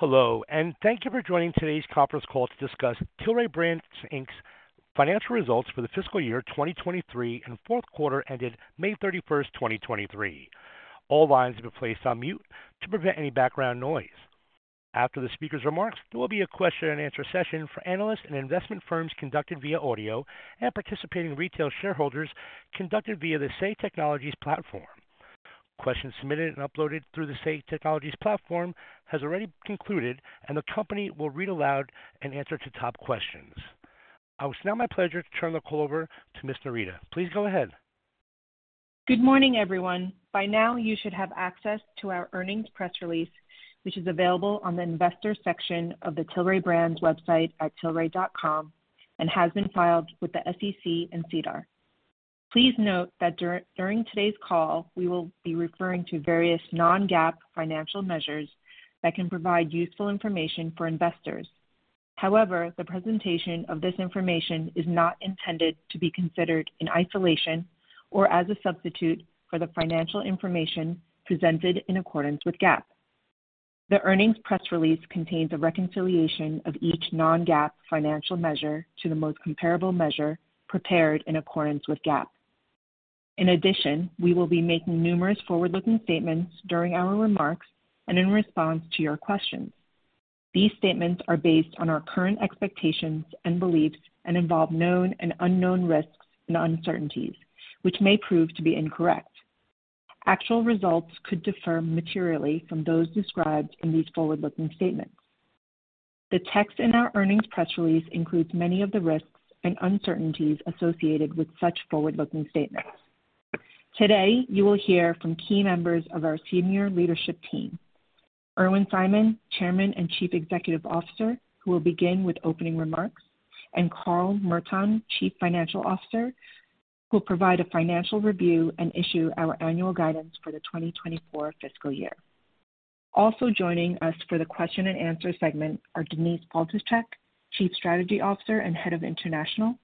Hello, and thank you for joining today's conference call to discuss Tilray Brands, Inc.'s financial results for the fiscal year 2023 and fourth quarter ended May 31st, 2023. All lines have been placed on mute to prevent any background noise. After the speaker's remarks, there will be a question and answer session for analysts and investment firms conducted via audio, and participating retail shareholders conducted via the Say Technologies platform. Questions submitted and uploaded through the Say Technologies platform has already concluded, and the company will read aloud and answer to top questions. It is now my pleasure to turn the call over to Ms. Noorata. Please go ahead. Good morning, everyone. By now, you should have access to our earnings press release, which is available on the investor section of the Tilray Brands website at tilray.com and has been filed with the SEC and SEDAR. Please note that during today's call, we will be referring to various non-GAAP financial measures that can provide useful information for investors. The presentation of this information is not intended to be considered in isolation or as a substitute for the financial information presented in accordance with GAAP. The earnings press release contains a reconciliation of each non-GAAP financial measure to the most comparable measure prepared in accordance with GAAP. We will be making numerous forward-looking statements during our remarks and in response to your questions. These statements are based on our current expectations and beliefs and involve known and unknown risks and uncertainties, which may prove to be incorrect. Actual results could differ materially from those described in these forward-looking statements. The text in our earnings press release includes many of the risks and uncertainties associated with such forward-looking statements. Today, you will hear from key members of our senior leadership team. Irwin Simon, Chairman and Chief Executive Officer, who will begin with opening remarks, and Carl Merton, Chief Financial Officer, who will provide a financial review and issue our annual guidance for the 2024 fiscal year. Also joining us for the question and answer segment are Denise Faltischek, Chief Strategy Officer and Head of International,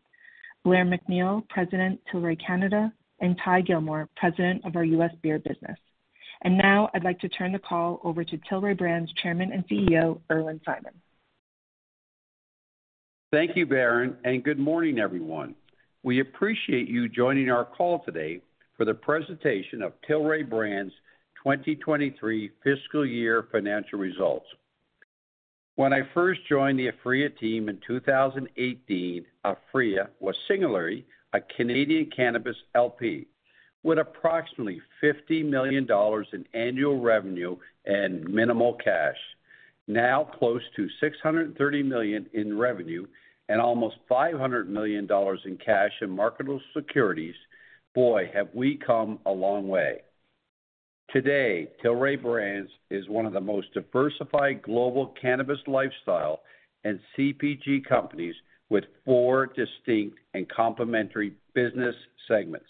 Blair MacNeil, President, Tilray Canada, and Ty Gilmore, President of our U.S. Beer business. Now I'd like to turn the call over to Tilray Brands' Chairman and CEO, Irwin Simon. Thank you, Berrin, good morning, everyone. We appreciate you joining our call today for the presentation of Tilray Brands' 2023 fiscal year financial results. When I first joined the Aphria team in 2018, Aphria was singularly a Canadian cannabis LP, with approximately $50 million in annual revenue and minimal cash. Now close to $630 million in revenue and almost $500 million in cash and marketable securities. Boy, have we come a long way. Today, Tilray Brands is one of the most diversified global cannabis lifestyle and CPG companies with four distinct and complementary business segments: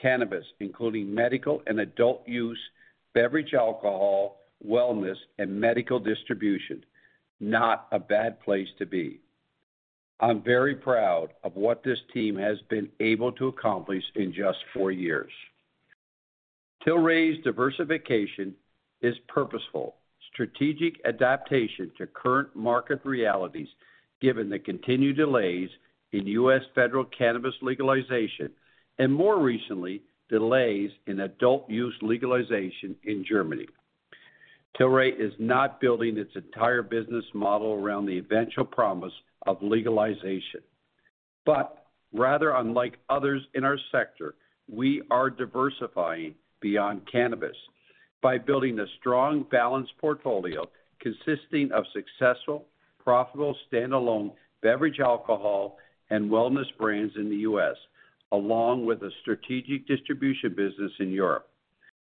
cannabis, including medical and adult use, beverage alcohol, wellness, and medical distribution. Not a bad place to be. I'm very proud of what this team has been able to accomplish in just four years. Tilray's diversification is purposeful, strategic adaptation to current market realities, given the continued delays in U.S. federal cannabis legalization and more recently, delays in adult-use legalization in Germany. Tilray is not building its entire business model around the eventual promise of legalization. Rather, unlike others in our sector, we are diversifying beyond cannabis by building a strong, balanced portfolio consisting of successful, profitable, standalone beverage, alcohol, and wellness brands in the U.S., along with a strategic distribution business in Europe,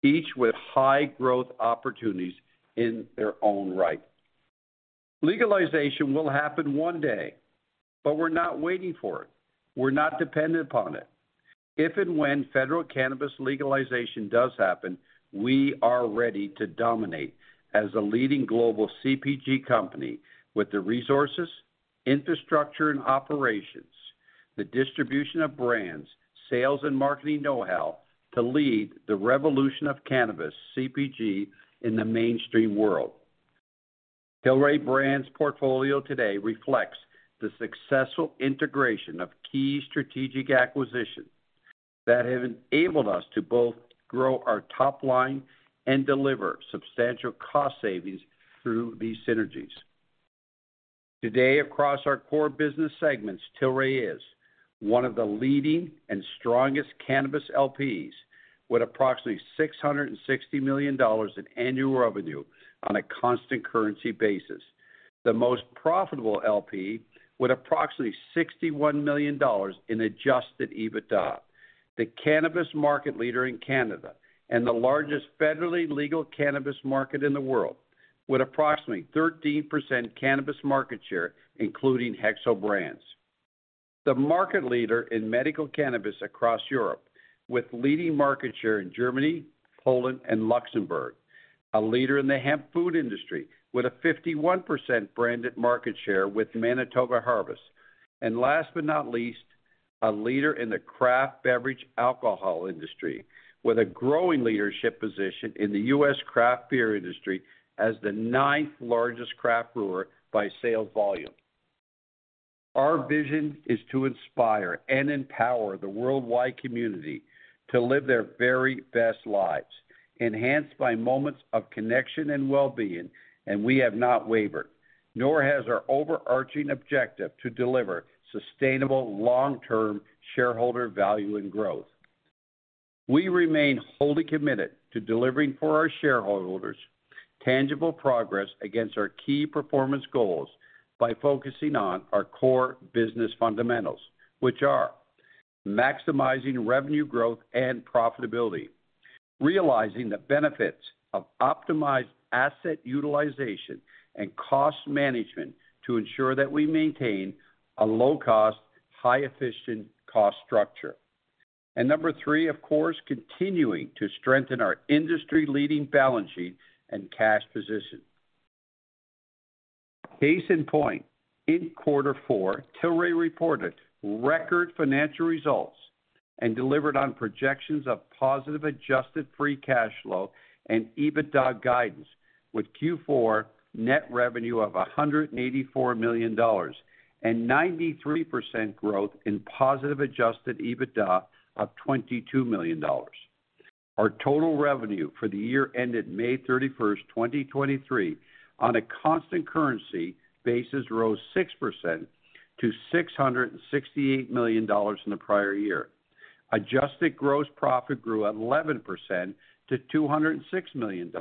each with high growth opportunities in their own right. Legalization will happen one day, but we're not waiting for it. We're not dependent upon it. If and when federal cannabis legalization does happen, we are ready to dominate as a leading global CPG company with the resources, infrastructure and operations, the distribution of brands, sales and marketing know-how to lead the revolution of cannabis CPG in the mainstream world. Tilray Brands portfolio today reflects the successful integration of key strategic acquisitions that have enabled us to both grow our top line and deliver substantial cost savings through these synergies. Today, across our core business segments, Tilray is one of the leading and strongest cannabis LPs, with approximately $660 million in annual revenue on a constant currency basis. The most profitable LP, with approximately $61 million in Adjusted EBITDA, the cannabis market leader in Canada and the largest federally legal cannabis market in the world, with approximately 13% cannabis market share, including HEXO Brands. The market leader in medical cannabis across Europe, with leading market share in Germany, Poland, and Luxembourg. A leader in the hemp food industry with a 51% branded market share with Manitoba Harvest. Last but not least, a leader in the craft beverage alcohol industry, with a growing leadership position in the U.S. craft beer industry as the ninth largest craft brewer by sales volume. Our vision is to inspire and empower the worldwide community to live their very best lives, enhanced by moments of connection and well-being. We have not wavered, nor has our overarching objective to deliver sustainable long-term shareholder value and growth. We remain wholly committed to delivering for our shareholders tangible progress against our key performance goals by focusing on our core business fundamentals, which are: maximizing revenue growth and profitability, realizing the benefits of optimized asset utilization and cost management to ensure that we maintain a low-cost, high-efficient cost structure. Number 3, of course, continuing to strengthen our industry-leading balance sheet and cash position. Case in point, in quarter four, Tilray reported record financial results and delivered on projections of positive adjusted free cash flow and EBITDA guidance, with Q4 net revenue of $184 million, and 93% growth in positive Adjusted EBITDA of $22 million. Our total revenue for the year ended May 31st, 2023, on a constant currency basis, rose 6% to $668 million from the prior year. Adjusted gross profit grew at 11% to $206 million,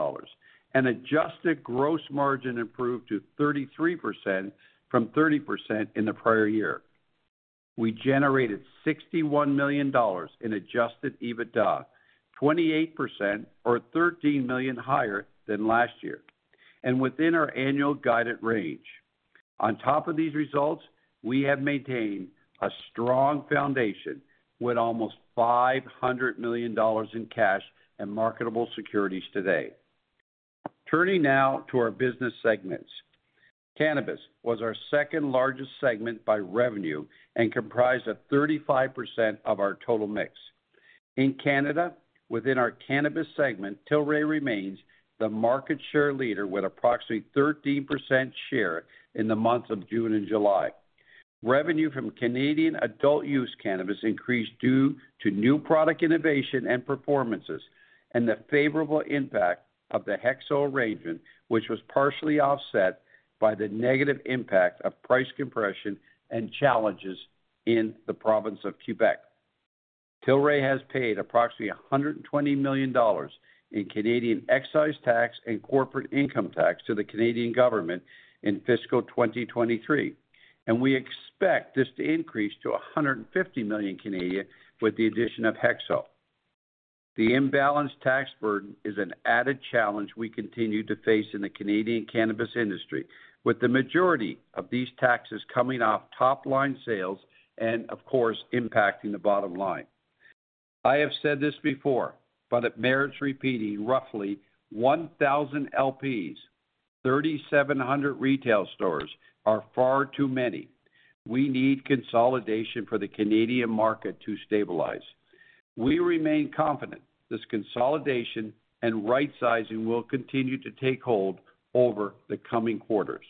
and adjusted gross margin improved to 33% from 30% in the prior year. We generated $61 million in Adjusted EBITDA, 28% or $13 million higher than last year, and within our annual guided range. On top of these results, we have maintained a strong foundation with almost $500 million in cash and marketable securities today. Turning now to our business segments. Cannabis was our second-largest segment by revenue and comprised of 35% of our total mix. In Canada, within our cannabis segment, Tilray remains the market share leader with approximately 13% share in the months of June and July. Revenue from Canadian adult use cannabis increased due to new product innovation and performances, the favorable impact of the HEXO arrangement, which was partially offset by the negative impact of price compression and challenges in the province of Quebec. Tilray has paid approximately 120 million dollars in Canadian excise tax and corporate income tax to the Canadian government in fiscal 2023. We expect this to increase to 150 million with the addition of HEXO. The imbalanced tax burden is an added challenge we continue to face in the Canadian cannabis industry, with the majority of these taxes coming off top line sales and of course, impacting the bottom line. I have said this before, but it merits repeating. Roughly 1,000 LPs, 3,700 retail stores are far too many. We need consolidation for the Canadian market to stabilize. We remain confident this consolidation and rightsizing will continue to take hold over the coming quarters.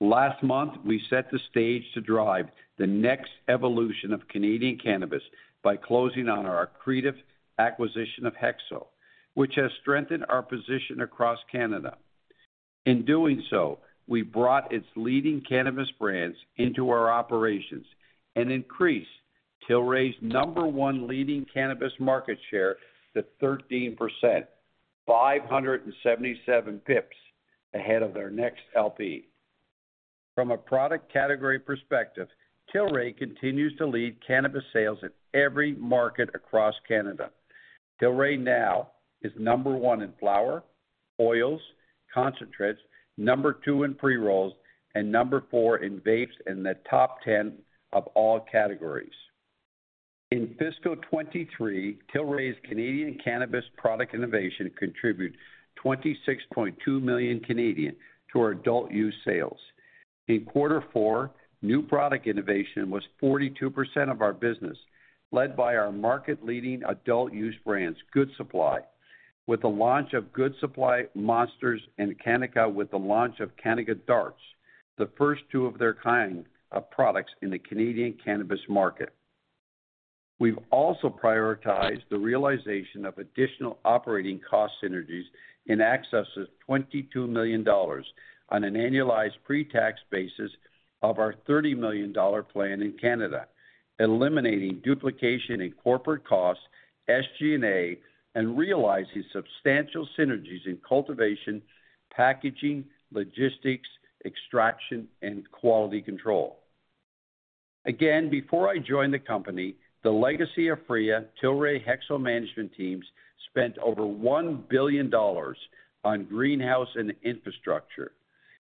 Last month, we set the stage to drive the next evolution of Canadian cannabis by closing on our accretive acquisition of HEXO, which has strengthened our position across Canada. In doing so, we brought its leading cannabis brands into our operations and increased Tilray's number 1 leading cannabis market share to 13%, 577 pips ahead of their next LP. From a product category perspective, Tilray continues to lead cannabis sales in every market across Canada. Tilray now is number 1 in flower, oils, concentrates, number 2 in pre-rolls, and number 4 in vapes, in the top 10 of all categories. In fiscal 2023, Tilray's Canadian cannabis product innovation contributed 26.2 million to our adult use sales. In quarter four, new product innovation was 42% of our business, led by our market-leading adult use brands, Good Supply, with the launch of Good Supply MONSTERS and CANACA, with the launch of CANACA Darts, the first two of their kind of products in the Canadian cannabis market. We've also prioritized the realization of additional operating cost synergies in excess of $22 million on an annualized pre-tax basis of our $30 million plan in Canada, eliminating duplication in corporate costs, SG&A, and realizing substantial synergies in cultivation, packaging, logistics, extraction, and quality control. Again, before I joined the company, the legacy of Aphria, Tilray, HEXO management teams, spent over $1 billion on greenhouse and infrastructure.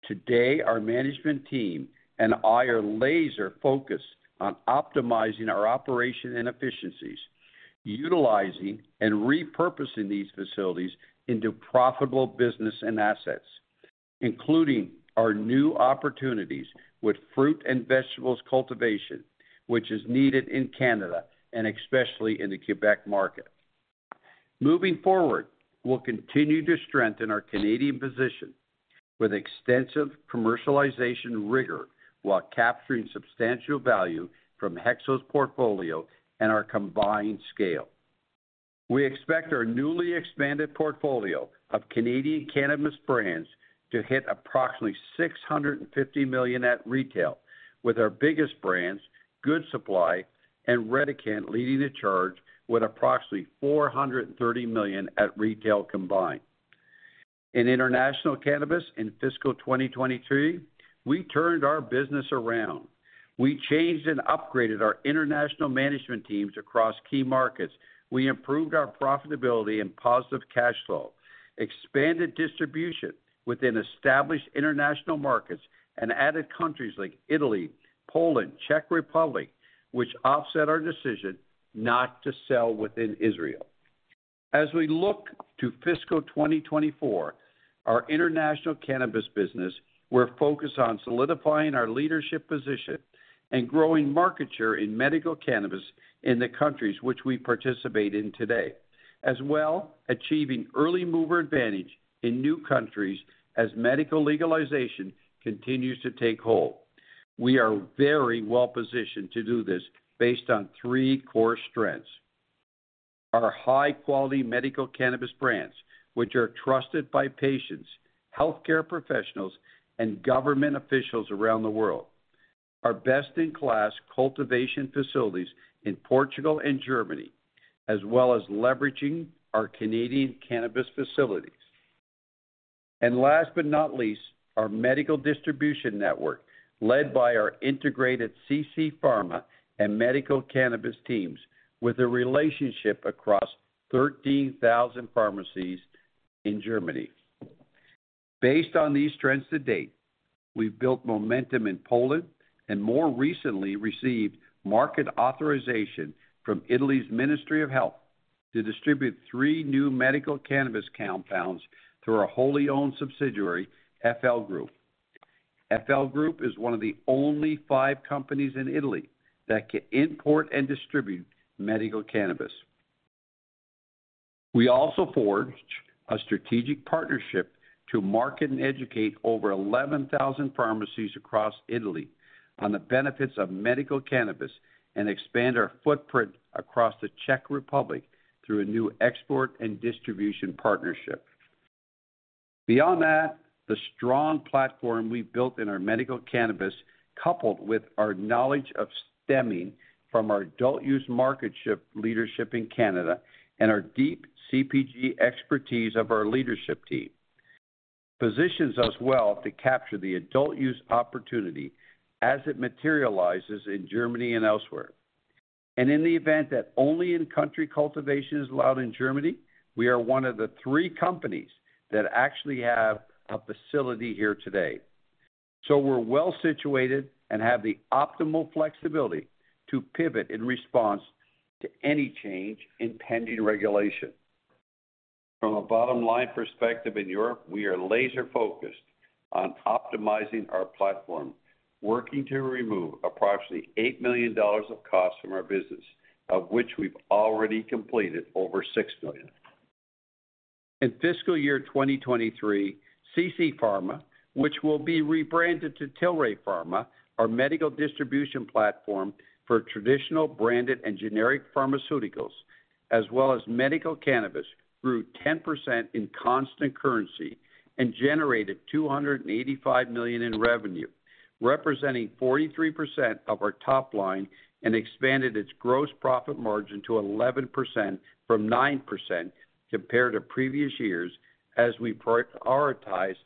Today, our management team and I are laser focused on optimizing our operation and efficiencies, utilizing and repurposing these facilities into profitable business and assets. Including our new opportunities with fruit and vegetables cultivation, which is needed in Canada and especially in the Quebec market. Moving forward, we'll continue to strengthen our Canadian position with extensive commercialization rigor, while capturing substantial value from HEXO's portfolio and our combined scale. We expect our newly expanded portfolio of Canadian cannabis brands to hit approximately $650 million at retail, with our biggest brands, Good Supply and Redecan, leading the charge with approximately $430 million at retail combined. In international cannabis in fiscal 2023, we turned our business around. We changed and upgraded our international management teams across key markets. We improved our profitability and positive cash flow, expanded distribution within established international markets, and added countries like Italy, Poland, Czech Republic, which offset our decision not to sell within Israel. As we look to fiscal 2024, our international cannabis business, we're focused on solidifying our leadership position and growing market share in medical cannabis in the countries which we participate in today. As well, achieving early mover advantage in new countries as medical legalization continues to take hold. We are very well positioned to do this based on three core strengths: Our high-quality medical cannabis brands, which are trusted by patients, healthcare professionals, and government officials around the world. Our best-in-class cultivation facilities in Portugal and Germany, as well as leveraging our Canadian cannabis facilities. Last but not least, our medical distribution network, led by our integrated CC Pharma and medical cannabis teams, with a relationship across 13,000 pharmacies in Germany. Based on these trends to date, we've built momentum in Poland, and more recently, received market authorization from Italy's Ministry of Health to distribute three new medical cannabis compounds through our wholly owned subsidiary, FL Group. FL Group is one of the only five companies in Italy that can import and distribute medical cannabis. We also forged a strategic partnership to market and educate over 11,000 pharmacies across Italy on the benefits of medical cannabis, and expand our footprint across the Czech Republic through a new export and distribution partnership. Beyond that, the strong platform we've built in our medical cannabis, coupled with our knowledge of stemming from our adult use marketship leadership in Canada and our deep CPG expertise of our leadership team, positions us well to capture the adult use opportunity as it materializes in Germany and elsewhere. In the event that only in-country cultivation is allowed in Germany, we are one of the three companies that actually have a facility here today. We're well situated and have the optimal flexibility to pivot in response to any change in pending regulation. From a bottom-line perspective in Europe, we are laser-focused on optimizing our platform, working to remove approximately $8 million of costs from our business, of which we've already completed over $6 million. In fiscal year 2023, CC Pharma, which will be rebranded to Tilray Pharma, our medical distribution platform for traditional branded and generic pharmaceuticals, as well as medical cannabis, grew 10% in constant currency and generated $285 million in revenue, representing 43% of our top line, and expanded its gross profit margin to 11% from 9% compared to previous years, as we prioritize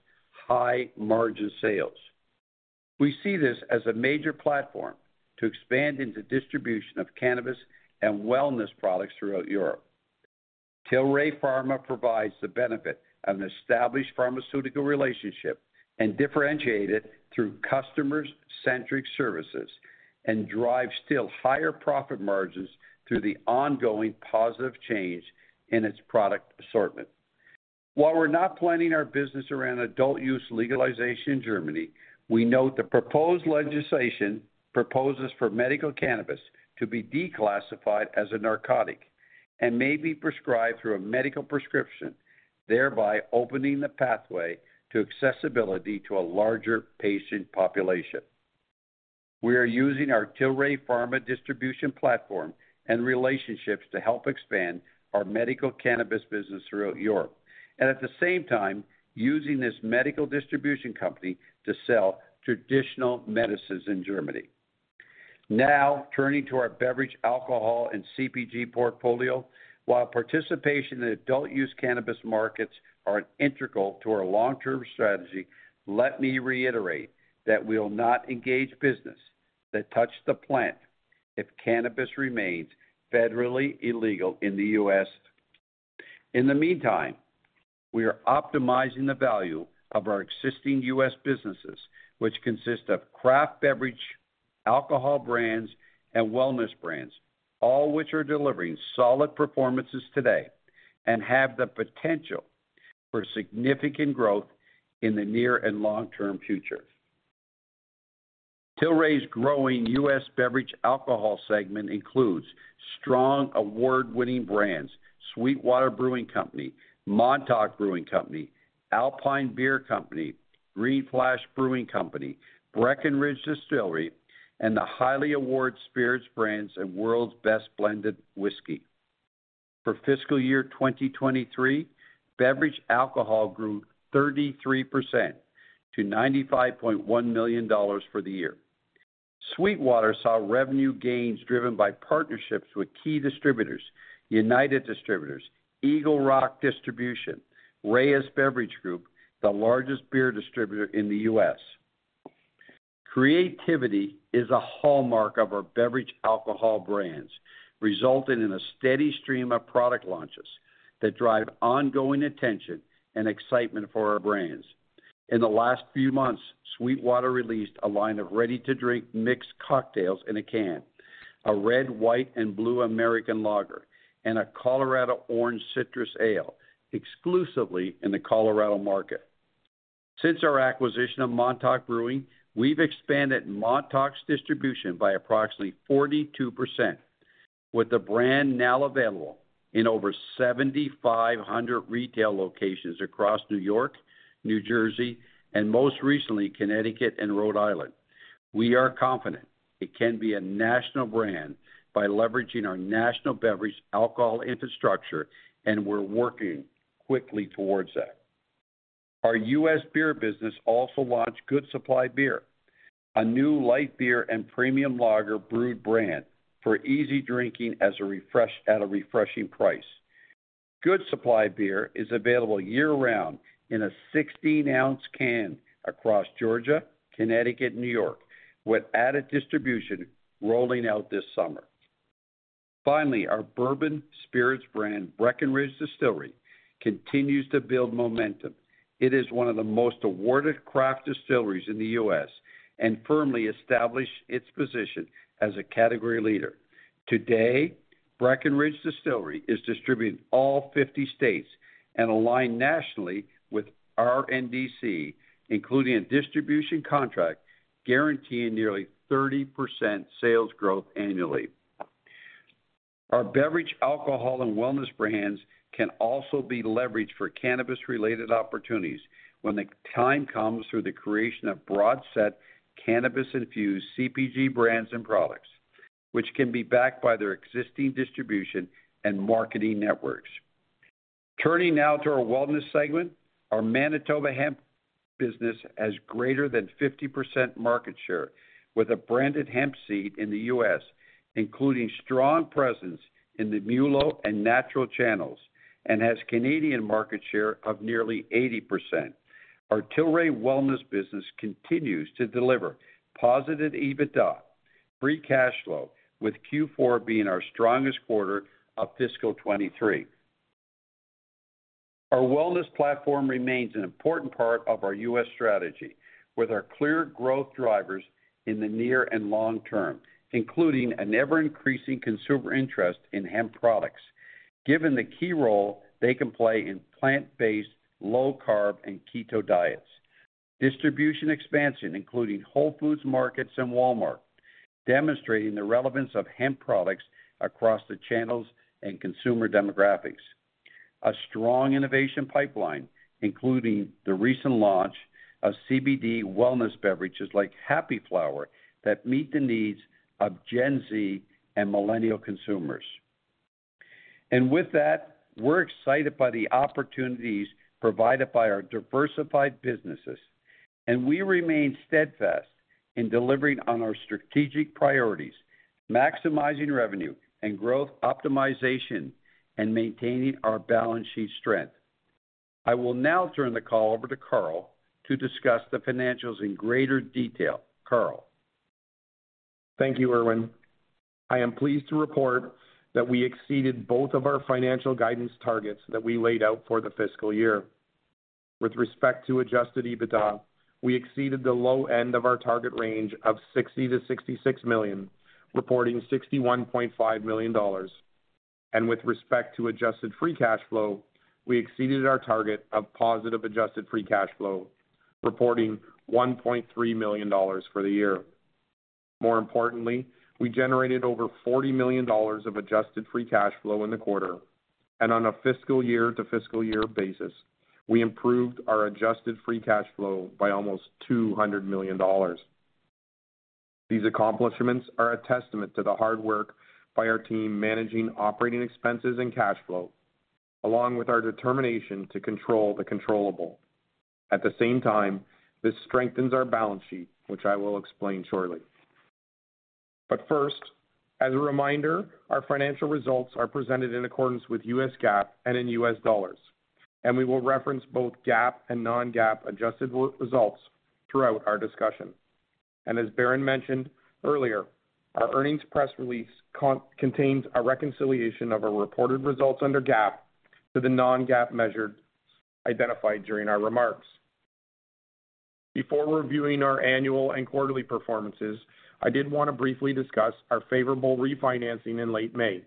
high-margin sales. We see this as a major platform to expand into distribution of cannabis and wellness products throughout Europe. Tilray Pharma provides the benefit of an established pharmaceutical relationship and differentiate it through customer-centric services, and drive still higher profit margins through the ongoing positive change in its product assortment. While we're not planning our business around adult use legalization in Germany, we note the proposed legislation proposes for medical cannabis to be declassified as a narcotic and may be prescribed through a medical prescription, thereby opening the pathway to accessibility to a larger patient population. We are using our Tilray Pharma distribution platform and relationships to help expand our medical cannabis business throughout Europe, and at the same time, using this medical distribution company to sell traditional medicines in Germany. Turning to our beverage, alcohol, and CPG portfolio. While participation in adult use cannabis markets are integral to our long-term strategy, let me reiterate that we will not engage business that touch the plant if cannabis remains federally illegal in the U.S. In the meantime, we are optimizing the value of our existing U.S. businesses, which consist of craft beverage alcohol brands, and wellness brands, all which are delivering solid performances today and have the potential for significant growth in the near and long-term future. Tilray Brands' growing U.S. beverage alcohol segment includes strong award-winning brands, SweetWater Brewing Company, Montauk Brewing Company, Alpine Beer Company, Green Flash Brewing Company, Breckenridge Distillery, and the highly awarded spirits brands and world's best blended whiskey. For fiscal year 2023, beverage alcohol grew 33% to $95.1 million for the year. SweetWater saw revenue gains driven by partnerships with key distributors, United Distributors, Eagle Rock Distribution, Reyes Beverage Group, the largest beer distributor in the US. Creativity is a hallmark of our beverage alcohol brands, resulting in a steady stream of product launches that drive ongoing attention and excitement for our brands. In the last few months, SweetWater released a line of ready-to-drink mixed cocktails in a can, a red, white, and blue American lager, and a Colorado orange citrus ale, exclusively in the Colorado market. Since our acquisition of Montauk Brewing, we've expanded Montauk's distribution by approximately 42%, with the brand now available in over 7,500 retail locations across New York, New Jersey, and most recently, Connecticut and Rhode Island. We are confident it can be a national brand by leveraging our national beverage alcohol infrastructure. We're working quickly towards that. Our U.S. beer business also launched Good Supply Beer, a new light beer and premium lager brewed brand for easy drinking at a refreshing price. Good Supply Beer is available year-round in a 16-ounce can across Georgia, Connecticut, and New York, with added distribution rolling out this summer. Our bourbon spirits brand, Breckenridge Distillery, continues to build momentum. It is one of the most awarded craft distilleries in the U.S. and firmly established its position as a category leader. Today, Breckenridge Distillery is distributed in all 50 states and aligned nationally with RNDC, including a distribution contract guaranteeing nearly 30% sales growth annually. Our beverage, alcohol, and wellness brands can also be leveraged for cannabis-related opportunities when the time comes through the creation of broad-set, cannabis-infused CPG brands and products, which can be backed by their existing distribution and marketing networks. Turning now to our wellness segment, our Manitoba Hemp business has greater than 50% market share with a branded hemp seed in the U.S., including strong presence in the MULO and natural channels, and has Canadian market share of nearly 80%. Our Tilray wellness business continues to deliver positive EBITDA, free cash flow, with Q4 being our strongest quarter of fiscal 2023. Our wellness platform remains an important part of our U.S. strategy, with our clear growth drivers in the near and long term, including an ever-increasing consumer interest in hemp products, given the key role they can play in plant-based, low-carb, and keto diets. Distribution expansion, including Whole Foods Market and Walmart, demonstrating the relevance of hemp products across the channels and consumer demographics. A strong innovation pipeline, including the recent launch of CBD wellness beverages like Happy Flower, that meet the needs of Gen Z and millennial consumers. With that, we're excited by the opportunities provided by our diversified businesses, and we remain steadfast in delivering on our strategic priorities, maximizing revenue and growth optimization, and maintaining our balance sheet strength. I will now turn the call over to Carl to discuss the financials in greater detail. Carl? Thank you, Irwin. I am pleased to report that we exceeded both of our financial guidance targets that we laid out for the fiscal year. With respect to Adjusted EBITDA, we exceeded the low end of our target range of $60 million-$66 million, reporting $61.5 million. With respect to adjusted free cash flow, we exceeded our target of positive adjusted free cash flow, reporting $1.3 million for the year. More importantly, we generated over $40 million of adjusted free cash flow in the quarter, and on a fiscal year-to-fiscal year basis, we improved our adjusted free cash flow by almost $200 million. These accomplishments are a testament to the hard work by our team managing operating expenses and cash flow, along with our determination to control the controllable. At the same time, this strengthens our balance sheet, which I will explain shortly. First, as a reminder, our financial results are presented in accordance with U.S. GAAP and in U.S. dollars, we will reference both GAAP and non-GAAP adjusted results throughout our discussion. As Berrin mentioned earlier, our earnings press release contains a reconciliation of our reported results under GAAP to the non-GAAP measure identified during our remarks. Before reviewing our annual and quarterly performances, I did want to briefly discuss our favorable refinancing in late May,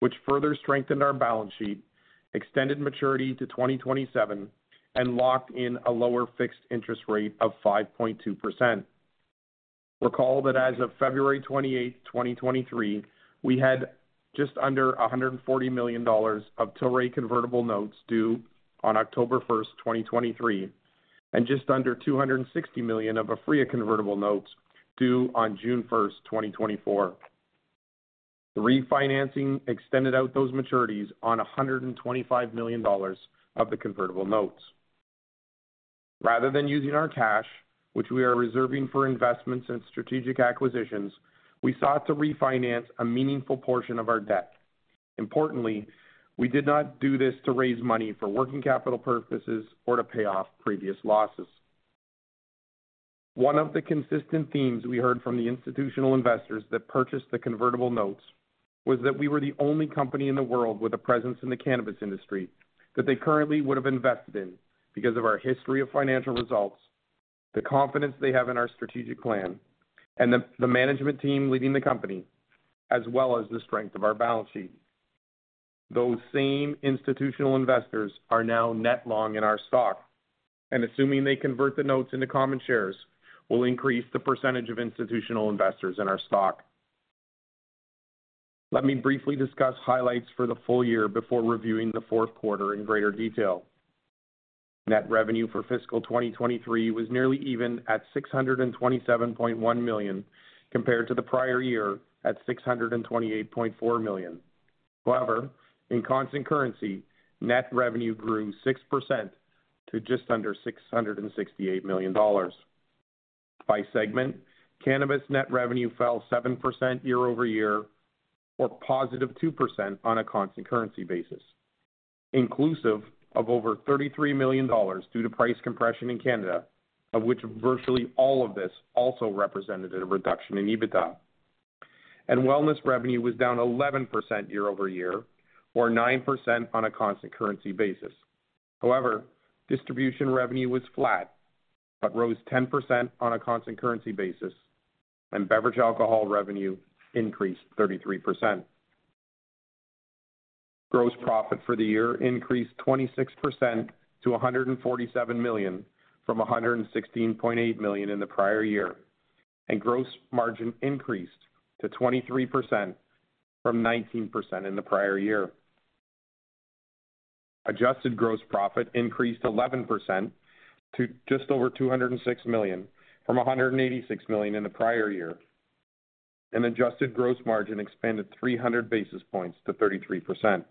which further strengthened our balance sheet, extended maturity to 2027, and locked in a lower fixed interest rate of 5.2%. Recall that as of February 28, 2023, we had just under $140 million of Tilray convertible notes due on October 1st, 2023, and just under $260 million of Aphria convertible notes due on June 1st, 2024. The refinancing extended out those maturities on $125 million of the convertible notes. Rather than using our cash, which we are reserving for investments and strategic acquisitions, we sought to refinance a meaningful portion of our debt. Importantly, we did not do this to raise money for working capital purposes or to pay off previous losses. One of the consistent themes we heard from the institutional investors that purchased the convertible notes was that we were the only company in the world with a presence in the cannabis industry that they currently would have invested in because of our history of financial results, the confidence they have in our strategic plan, and the management team leading the company, as well as the strength of our balance sheet. Those same institutional investors are now net long in our stock, and assuming they convert the notes into common shares, will increase the percentage of institutional investors in our stock. Let me briefly discuss highlights for the full year before reviewing the fourth quarter in greater detail. Net revenue for fiscal 2023 was nearly even at $627.1 million, compared to the prior year at $628.4 million. However, in constant currency, net revenue grew 6% to just under $668 million. By segment, cannabis net revenue fell 7% year-over-year, or positive 2% on a constant currency basis, inclusive of over $33 million due to price compression in Canada, of which virtually all of this also represented a reduction in EBITDA. Wellness revenue was down 11% year-over-year, or 9% on a constant currency basis. However, distribution revenue was flat, but rose 10% on a constant currency basis, and beverage alcohol revenue increased 33%. Gross profit for the year increased 26% to $147 million from $116.8 million in the prior year, and gross margin increased to 23% from 19% in the prior year. Adjusted gross profit increased 11% to just over $206 million from $186 million in the prior year, and adjusted gross margin expanded 300 basis points to 33%.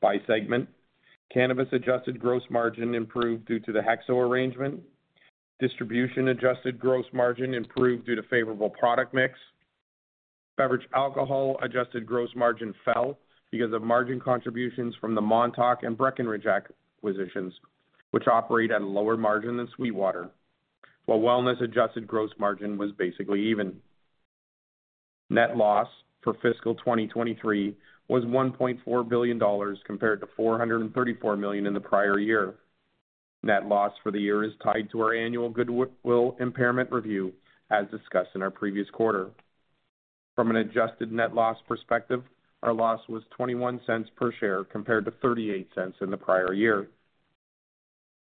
By segment, cannabis adjusted gross margin improved due to the HEXO arrangement. Distribution adjusted gross margin improved due to favorable product mix. Beverage alcohol adjusted gross margin fell because of margin contributions from the Montauk and Breckenridge acquisitions, which operate at a lower margin than SweetWater, while wellness adjusted gross margin was basically even. Net loss for fiscal 2023 was $1.4 billion, compared to $434 million in the prior year. Net loss for the year is tied to our annual goodwill impairment review, as discussed in our previous quarter. From an adjusted net loss perspective, our loss was $0.21 per share, compared to $0.38 in the prior year.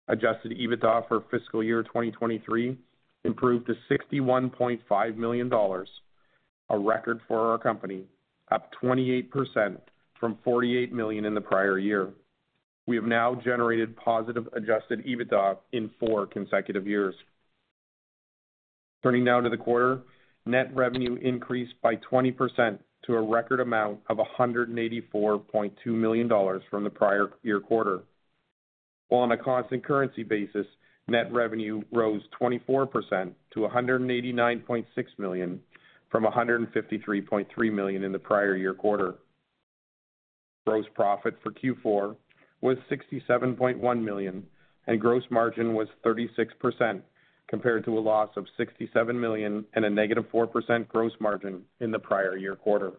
Adjusted EBITDA for fiscal year 2023 improved to $61.5 million, a record for our company, up 28% from $48 million in the prior year. We have now generated positive Adjusted EBITDA in four consecutive years. Turning now to the quarter, net revenue increased by 20% to a record amount of $184.2 million from the prior year quarter. While on a constant currency basis, net revenue rose 24% to $189.6 million from $153.3 million in the prior year quarter. Gross profit for Q4 was $67.1 million, and gross margin was 36%, compared to a loss of $67 million and a -4% gross margin in the prior year quarter.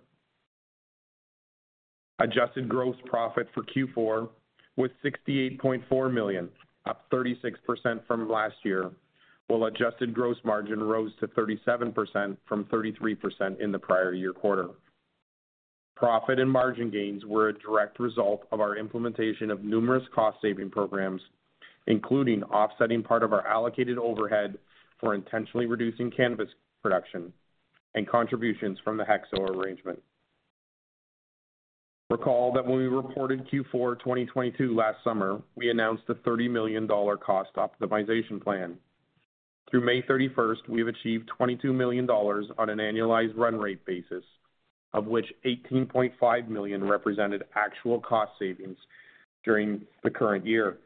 Adjusted gross profit for Q4 was $68.4 million, up 36% from last year, while adjusted gross margin rose to 37% from 33% in the prior year quarter. Profit and margin gains were a direct result of our implementation of numerous cost-saving programs, including offsetting part of our allocated overhead for intentionally reducing cannabis production and contributions from the HEXO arrangement. Recall that when we reported Q4 2022 last summer, we announced a $30 million cost optimization plan. Through May 31st, we have achieved $22 million on an annualized run rate basis, of which $18.5 million represented actual cost savings during the current year.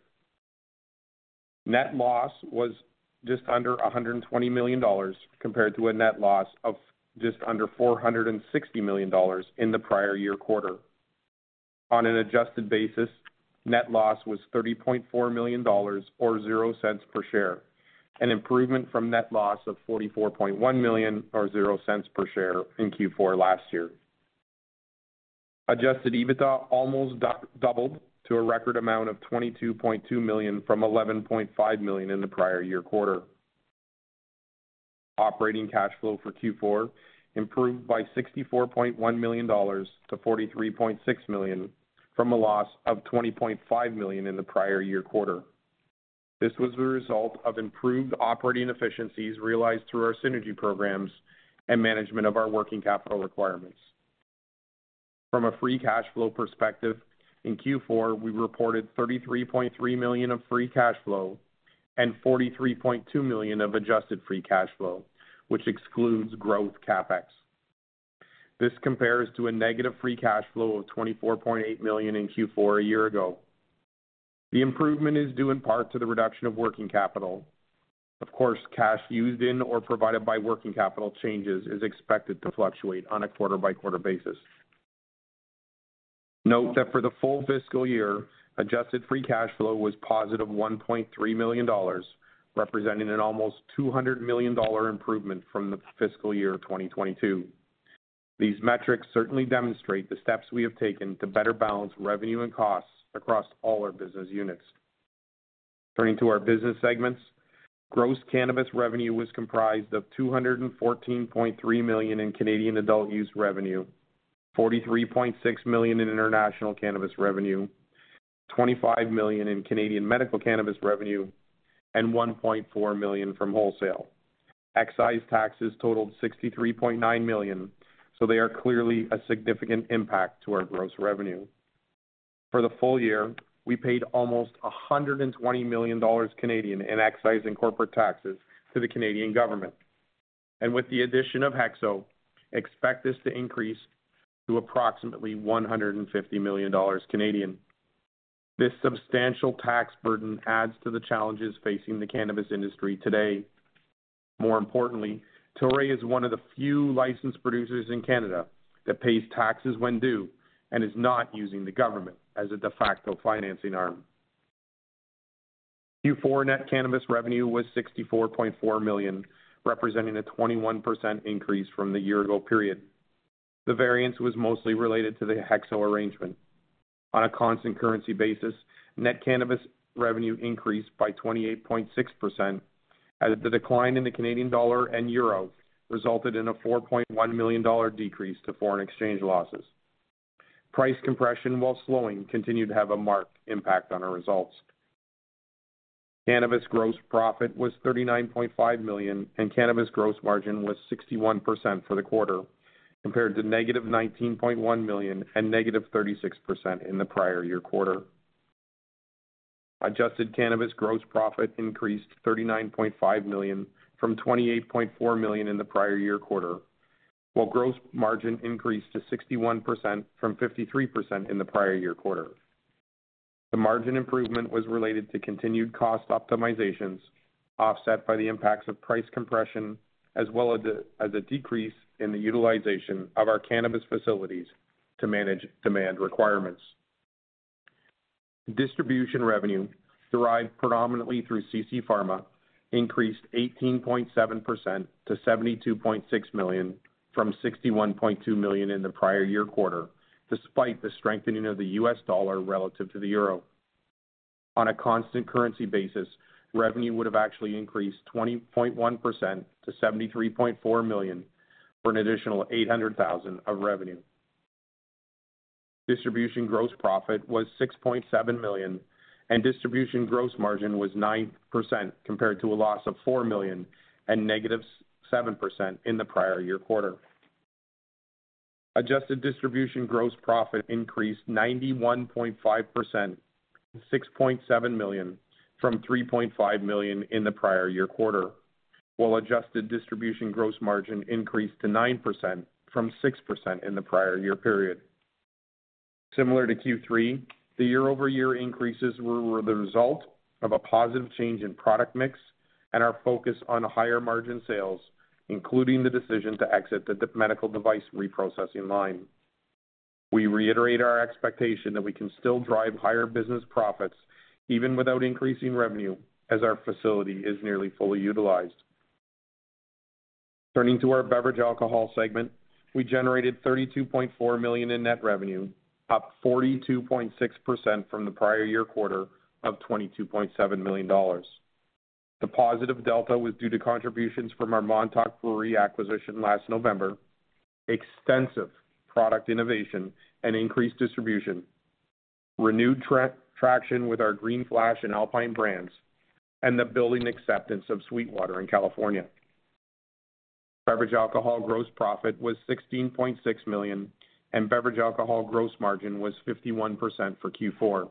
Net loss was just under $120 million, compared to a net loss of just under $460 million in the prior year quarter. On an adjusted basis, net loss was $30.4 million, or $0 per share, an improvement from net loss of $44.1 million or $0 per share in Q4 last year. Adjusted EBITDA almost doubled to a record amount of $22.2 million from $11.5 million in the prior year quarter. Operating cash flow for Q4 improved by $64.1 million to $43.6 million, from a loss of $20.5 million in the prior year quarter. This was the result of improved operating efficiencies realized through our synergy programs and management of our working capital requirements. From a free cash flow perspective, in Q4, we reported $33.3 million of free cash flow and $43.2 million of adjusted free cash flow, which excludes growth CapEx. This compares to a negative free cash flow of $24.8 million in Q4 a year ago. The improvement is due in part to the reduction of working capital. Of course, cash used in or provided by working capital changes is expected to fluctuate on a quarter-by-quarter basis. Note that for the full fiscal year, adjusted free cash flow was +$1.3 million, representing an almost $200 million improvement from the fiscal year 2022. These metrics certainly demonstrate the steps we have taken to better balance revenue and costs across all our business units. Turning to our business segments, gross cannabis revenue was comprised of 214.3 million in Canadian adult use revenue, 43.6 million in international cannabis revenue, 25 million in Canadian medical cannabis revenue, and 1.4 million from wholesale. Excise taxes totaled 63.9 million. They are clearly a significant impact to our gross revenue. For the full year, we paid almost 120 million Canadian dollars in excise and corporate taxes to the Canadian government. With the addition of HEXO, expect this to increase to approximately 150 million Canadian dollars. This substantial tax burden adds to the challenges facing the cannabis industry today. More importantly, Tilray is one of the few licensed producers in Canada that pays taxes when due and is not using the government as a de facto financing arm. Q4 net cannabis revenue was $64.4 million, representing a 21% increase from the year ago period. The variance was mostly related to the HEXO arrangement. On a constant currency basis, net cannabis revenue increased by 28.6%, as the decline in the Canadian dollar and euro resulted in a $4.1 million decrease to foreign exchange losses. Price compression, while slowing, continued to have a marked impact on our results. Cannabis gross profit was $39.5 million, and cannabis gross margin was 61% for the quarter, compared to negative $19.1 million and negative 36% in the prior year quarter. Adjusted cannabis gross profit increased to $39.5 million from $28.4 million in the prior year quarter, while gross margin increased to 61% from 53% in the prior year quarter. The margin improvement was related to continued cost optimizations, offset by the impacts of price compression, as well as a decrease in the utilization of our cannabis facilities to manage demand requirements. Distribution revenue, derived predominantly through CC Pharma, increased 18.7% to $72.6 million from $61.2 million in the prior year quarter, despite the strengthening of the U.S. dollar relative to the euro. On a constant currency basis, revenue would have actually increased 20.1% to $73.4 million, for an additional $800,000 of revenue. Distribution gross profit was $6.7 million, and distribution gross margin was 9%, compared to a loss of $4 million and -7% in the prior year quarter. Adjusted distribution gross profit increased 91.5% to $6.7 million from $3.5 million in the prior year quarter, while adjusted distribution gross margin increased to 9% from 6% in the prior year period. Similar to Q3, the year-over-year increases were the result of a positive change in product mix and our focus on higher margin sales, including the decision to exit the medical device reprocessing line. We reiterate our expectation that we can still drive higher business profits even without increasing revenue, as our facility is nearly fully utilized. Turning to our beverage alcohol segment, we generated $32.4 million in net revenue, up 42.6% from the prior year quarter of $22.7 million. The positive delta was due to contributions from our Montauk Brewery acquisition last November, extensive product innovation and increased distribution, renewed traction with our Green Flash and Alpine brands, and the building acceptance of SweetWater in California. Beverage alcohol gross profit was $16.6 million, and beverage alcohol gross margin was 51% for Q4,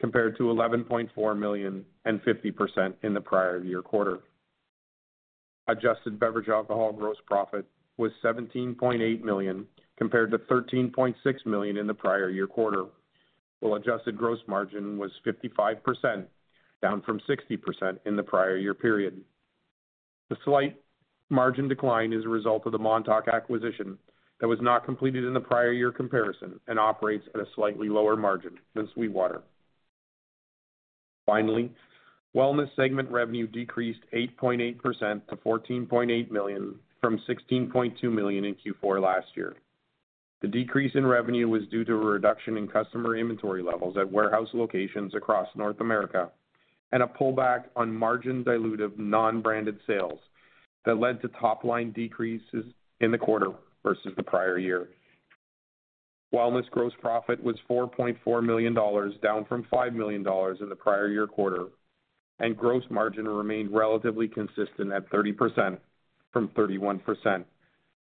compared to $11.4 million and 50% in the prior year quarter. Adjusted beverage alcohol gross profit was $17.8 million, compared to $13.6 million in the prior year quarter, while adjusted gross margin was 55%, down from 60% in the prior year period. The slight margin decline is a result of the Montauk acquisition that was not completed in the prior year comparison and operates at a slightly lower margin than SweetWater. Finally, wellness segment revenue decreased 8.8% to $14.8 million from $16.2 million in Q4 last year. The decrease in revenue was due to a reduction in customer inventory levels at warehouse locations across North America, and a pullback on margin dilutive non-branded sales that led to top-line decreases in the quarter versus the prior year. Wellness gross profit was $4.4 million, down from $5 million in the prior year quarter, and gross margin remained relatively consistent at 30% from 31%,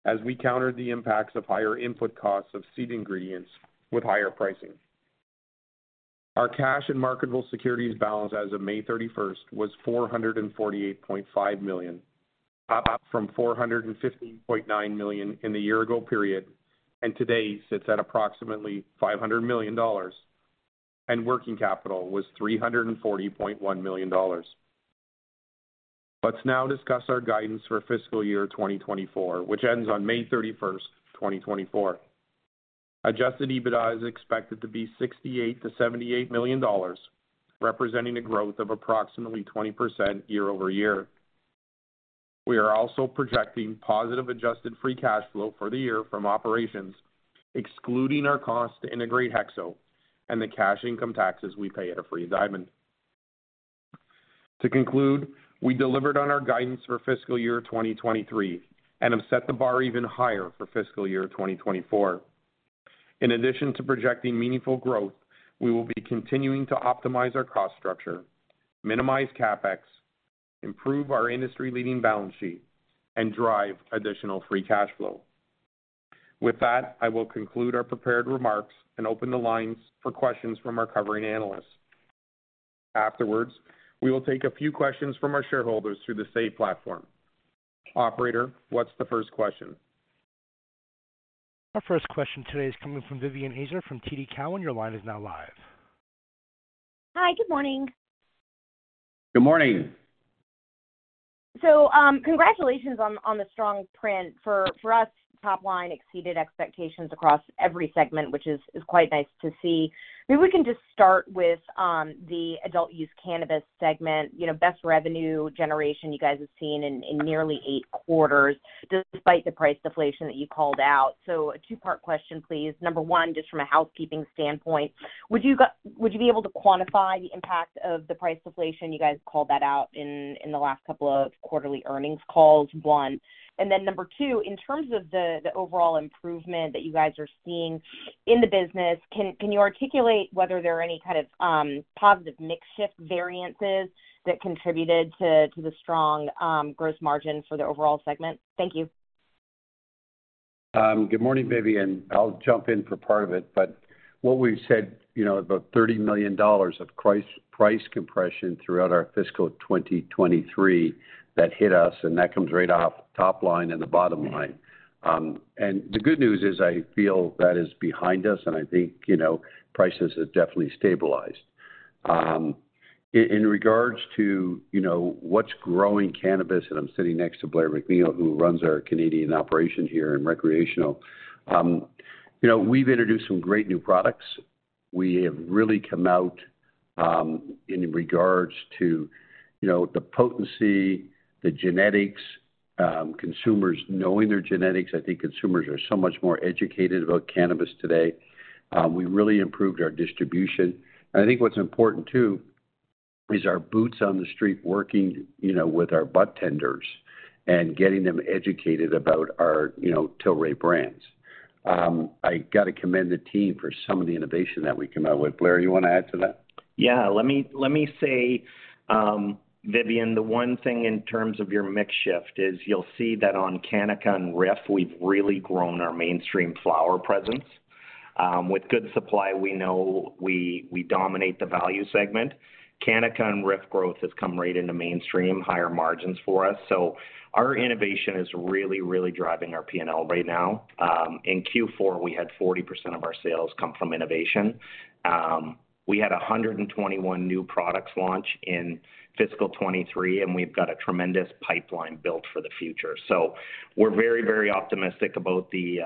as we countered the impacts of higher input costs of seed ingredients with higher pricing. Our cash and marketable securities balance as of May 31st, was $448.5 million, up from $415.9 million in the year-ago period, and today sits at approximately $500 million, and working capital was $340.1 million. Let's now discuss our guidance for fiscal year 2024, which ends on May 31st, 2024. Adjusted EBITDA is expected to be $68 million-$78 million, representing a growth of approximately 20% year-over-year. We are also projecting positive adjusted free cash flow for the year from operations, excluding our cost to integrate HEXO and the cash income taxes we pay at Aphria Diamond. To conclude, we delivered on our guidance for fiscal year 2023 and have set the bar even higher for fiscal year 2024 In addition to projecting meaningful growth, we will be continuing to optimize our cost structure, minimize CapEx, improve our industry-leading balance sheet, and drive additional free cash flow. With that, I will conclude our prepared remarks and open the lines for questions from our covering analysts. Afterwards, we will take a few questions from our shareholders through the Say platform. Operator, what's the first question? Our first question today is coming from Vivien Azer from TD Cowen. Your line is now live. Hi, good morning. Good morning. Congratulations on the strong print. For us, top line exceeded expectations across every segment, which is quite nice to see. Maybe we can just start with the adult use cannabis segment. You know, best revenue generation you guys have seen in nearly 8 quarters, despite the price deflation that you called out. A two-part question, please. Number 1, just from a housekeeping standpoint, would you be able to quantify the impact of the price deflation? You guys called that out in the last couple of quarterly earnings calls, one. Number 2, in terms of the overall improvement that you guys are seeing in the business, can you articulate whether there are any kind of positive mix shift variances that contributed to the strong gross margin for the overall segment? Thank you. Good morning, Vivien. I'll jump in for part of it. What we've said, you know, about $30 million of price compression throughout our fiscal 2023 that hit us, and that comes right off the top line and the bottom line. The good news is, I feel that is behind us, and I think, you know, prices have definitely stabilized. In regards to, you know, what's growing cannabis, and I'm sitting next to Blair MacNeil, who runs our Canadian operation here in recreational. You know, we've introduced some great new products. We have really come out in regards to, you know, the potency, the genetics, consumers knowing their genetics. I think consumers are so much more educated about cannabis today. We really improved our distribution. I think what's important too, is our boots on the street working, you know, with our budtenders and getting them educated about our, you know, Tilray Brands. I got to commend the team for some of the innovation that we come out with. Blair, you want to add to that? Let me say, Vivien Azer, the one thing in terms of your mix shift is you'll see that on CANACA and RIFF, we've really grown our mainstream flower presence. With Good Supply, we know we dominate the value segment. CANACA and RIFF growth has come right into mainstream, higher margins for us. Our innovation is really, really driving our P&L right now. In Q4, we had 40% of our sales come from innovation. We had 121 new products launch in fiscal 2023, and we've got a tremendous pipeline built for the future. We're very, very optimistic about the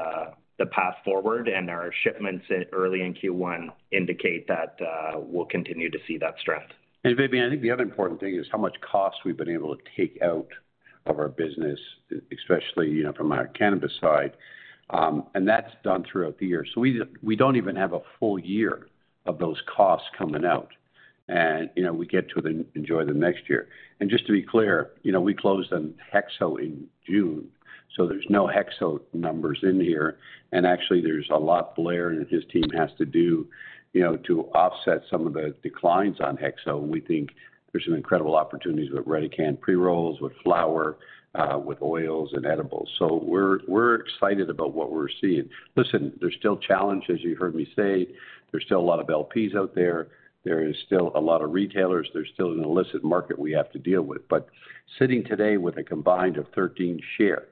path forward, and our shipments early in Q1 indicate that we'll continue to see that strength. Vivien Azer, I think the other important thing is how much cost we've been able to take out of our business, especially, you know, from our cannabis side. That's done throughout the year. We, we don't even have a full year of those costs coming out, and, you know, we get to enjoy them next year. Just to be clear, you know, we closed on HEXO in June, there's no HEXO numbers in here. Actually, there's a lot Blair MacNeil and his team has to do, you know, to offset some of the declines on HEXO. We think there's some incredible opportunities with Redecan pre-rolls, with flower, with oils and edibles. We're, we're excited about what we're seeing. Listen, there's still challenges. You heard me say there's still a lot of LPs out there. There is still a lot of retailers. There's still an illicit market we have to deal with. Sitting today with a combined of 13 share,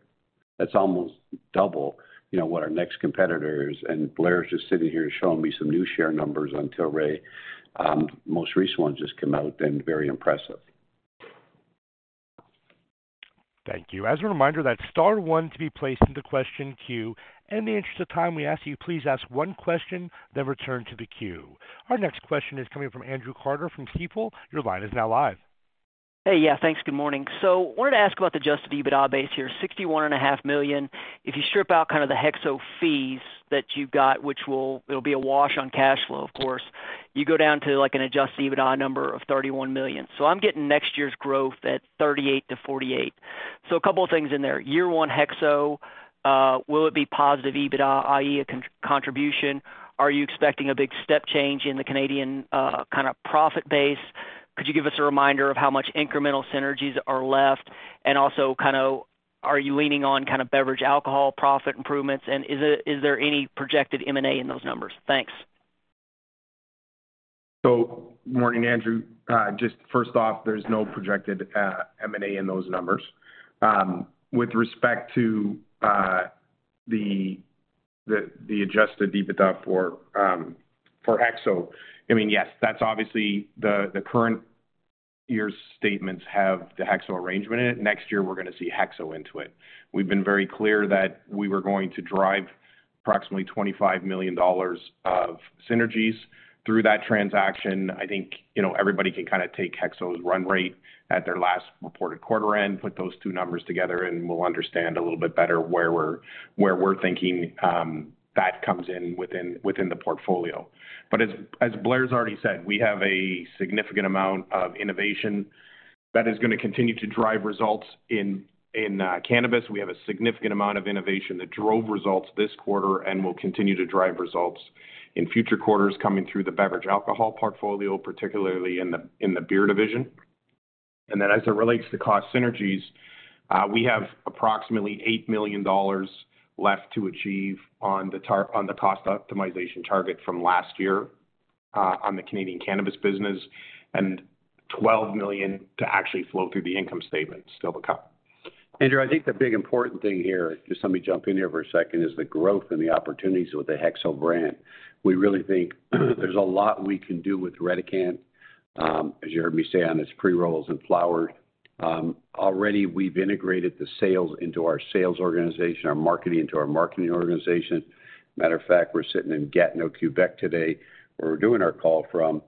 that's almost double, you know, what our next competitors. Blair is just sitting here showing me some new share numbers on Tilray. Most recent ones just come out and very impressive. Thank you. As a reminder, that's star one to be placed into question queue. In the interest of time, we ask you, please ask one question, then return to the queue. Our next question is coming from Andrew Carter from Stifel. Your line is now live. Hey. Yeah, thanks. Good morning. I wanted to ask about the Adjusted EBITDA base here, $61.5 million. If you strip out kind of the HEXO fees that you've got, which will, it'll be a wash on cash flow, of course, you go down to, like, an Adjusted EBITDA number of $31 million. I'm getting next year's growth at 38%-48%. A couple of things in there. Year one, HEXO, will it be positive EBITDA, i.e, a contribution? Are you expecting a big step change in the Canadian, kind of profit base? Could you give us a reminder of how much incremental synergies are left? Also, kind of, are you leaning on kind of beverage, alcohol, profit improvements, and is there any projected M&A in those numbers? Thanks. Good morning, Andrew. Just first off, there's no projected M&A in those numbers. With respect to the Adjusted EBITDA for HEXO, I mean, yes, that's obviously the current year's statements have the HEXO arrangement in it. Next year, we're going to see HEXO into it. We've been very clear that we were going to drive approximately $25 million of synergies through that transaction. I think, you know, everybody can kind of take HEXO's run rate at their last reported quarter end, put those two numbers together, and we'll understand a little bit better where we're, where we're thinking that comes in within the portfolio. As Blair's already said, we have a significant amount of innovation that is going to continue to drive results in cannabis. We have a significant amount of innovation that drove results this quarter and will continue to drive results in future quarters coming through the beverage alcohol portfolio, particularly in the beer division. As it relates to cost synergies, we have approximately $8 million left to achieve on the cost optimization target from last year, on the Canadian cannabis business, and $12 million to actually flow through the income statement still to come. Andrew, I think the big, important thing here, just let me jump in here for a second, is the growth and the opportunities with the HEXO brand. We really think there's a lot we can do with Redecan. As you heard me say, on its pre-rolls and flower. Already we've integrated the sales into our sales organization, our marketing into our marketing organization. Matter of fact, we're sitting in Gatineau, Quebec, today, where we're doing our call from,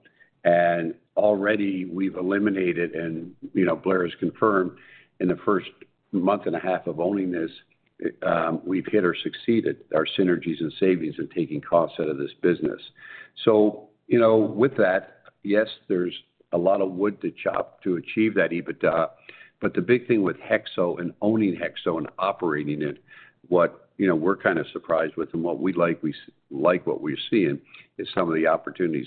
and already we've eliminated and, you know, Blair has confirmed in the first month and a half of owning this, we've hit or succeeded our synergies and savings in taking costs out of this business. You know, with that, yes, there's a lot of wood to chop to achieve that EBITDA, but the big thing with HEXO and owning HEXO and operating it, what, you know, we're kind of surprised with and what we like what we're seeing is some of the opportunities.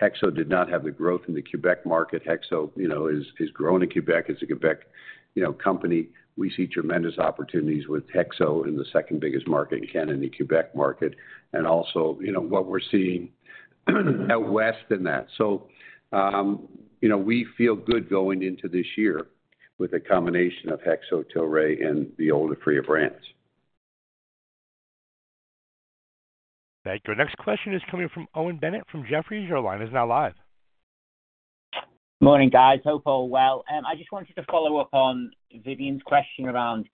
HEXO did not have the growth in the Quebec market. HEXO, you know, is grown in Quebec. It's a Quebec, you know, company. We see tremendous opportunities with HEXO in the second biggest market in Canada, in the Quebec market, and also, you know, what we're seeing out west in that. You know, we feel good going into this year with a combination of HEXO, Tilray, and the older Aphria brands. Thank you. Our next question is coming from Owen Bennett, from Jefferies. Your line is now live. Morning, guys. Hope all well. I just wanted to follow up on Vivien's question around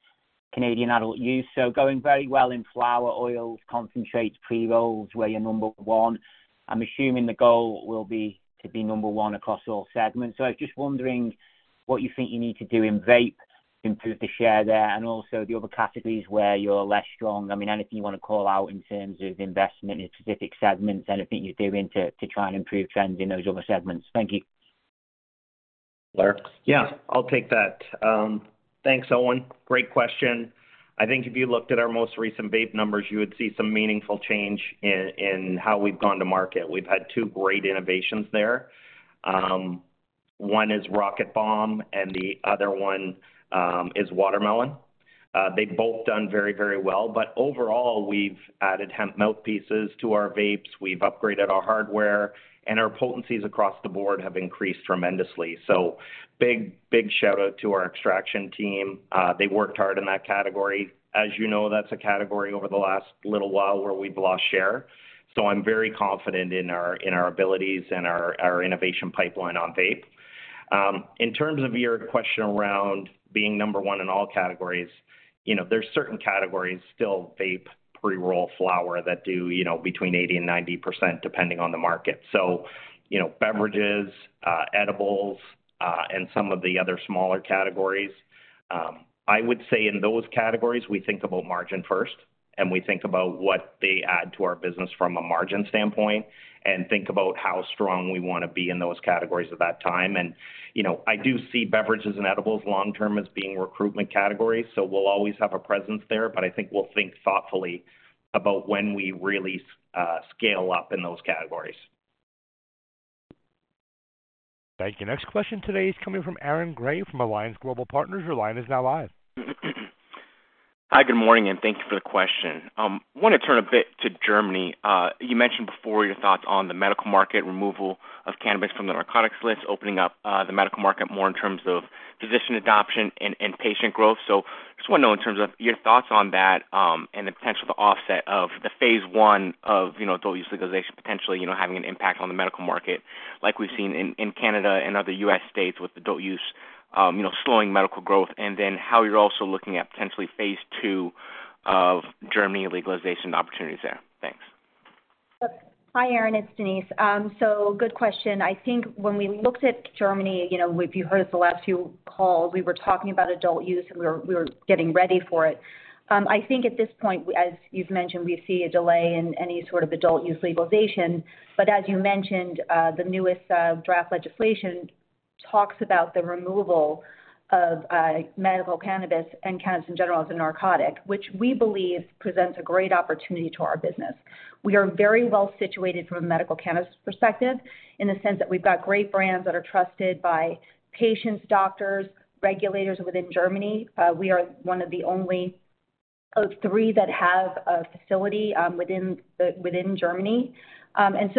Canadian adult-use. Going very well in flower, oils, concentrates, pre-rolls, where you're number 1, I'm assuming the goal will be to be number 1 across all segments. I was just wondering what you think you need to do in vape to improve the share there, and also the other categories where you're less strong. I mean, anything you want to call out in terms of investment in specific segments, anything you're doing to try and improve trends in those other segments? Thank you. Blair? Yeah, I'll take that. Thanks, Owen. Great question. I think if you looked at our most recent vape numbers, you would see some meaningful change in how we've gone to market. We've had two great innovations there. One is Rocket Bomb, and the other one is Watermelon. They've both done very, very well, but overall, we've added hemp mouthpieces to our vapes, we've upgraded our hardware, and our potencies across the board have increased tremendously. Big shout-out to our extraction team. They worked hard in that category. As you know, that's a category over the last little while where we've lost share, so I'm very confident in our abilities and our innovation pipeline on vape. In terms of your question around being number 1 in all categories, you know, there's certain categories still, vape, pre-roll, flower, that do, you know, between 80% and 90%, depending on the market. You know, beverages, edibles, and some of the other smaller categories, I would say in those categories, we think about margin first, and we think about what they add to our business from a margin standpoint, and think about how strong we want to be in those categories at that time. You know, I do see beverages and edibles long term as being recruitment categories, so we'll always have a presence there, but I think we'll think thoughtfully about when we really scale up in those categories. Thank you. Next question today is coming from Aaron Grey, from Alliance Global Partners. Your line is now live. Hi, good morning. Thank you for the question. I want to turn a bit to Germany. You mentioned before your thoughts on the medical market, removal of cannabis from the narcotics list, opening up the medical market more in terms of physician adoption and patient growth. Just want to know in terms of your thoughts on that, and the potential to offset of the phase one of, you know, adult use legalization, potentially, you know, having an impact on the medical market, like we've seen in Canada and other U.S. states with adult use, you know, slowing medical growth, and then how you're also looking at potentially phase two of Germany legalization opportunities there. Thanks. Hi, Aaron, it's Denise. Good question. I think when we looked at Germany, you know, if you heard the last few calls, we were talking about adult use, and we were getting ready for it. I think at this point, as you've mentioned, we see a delay in any sort of adult use legalization. As you mentioned, the newest draft legislation talks about the removal of medical cannabis and cannabis in general as a narcotic, which we believe presents a great opportunity to our business. We are very well situated from a medical cannabis perspective in the sense that we've got great brands that are trusted by patients, doctors, regulators within Germany. We are one of the only of three that have a facility within Germany.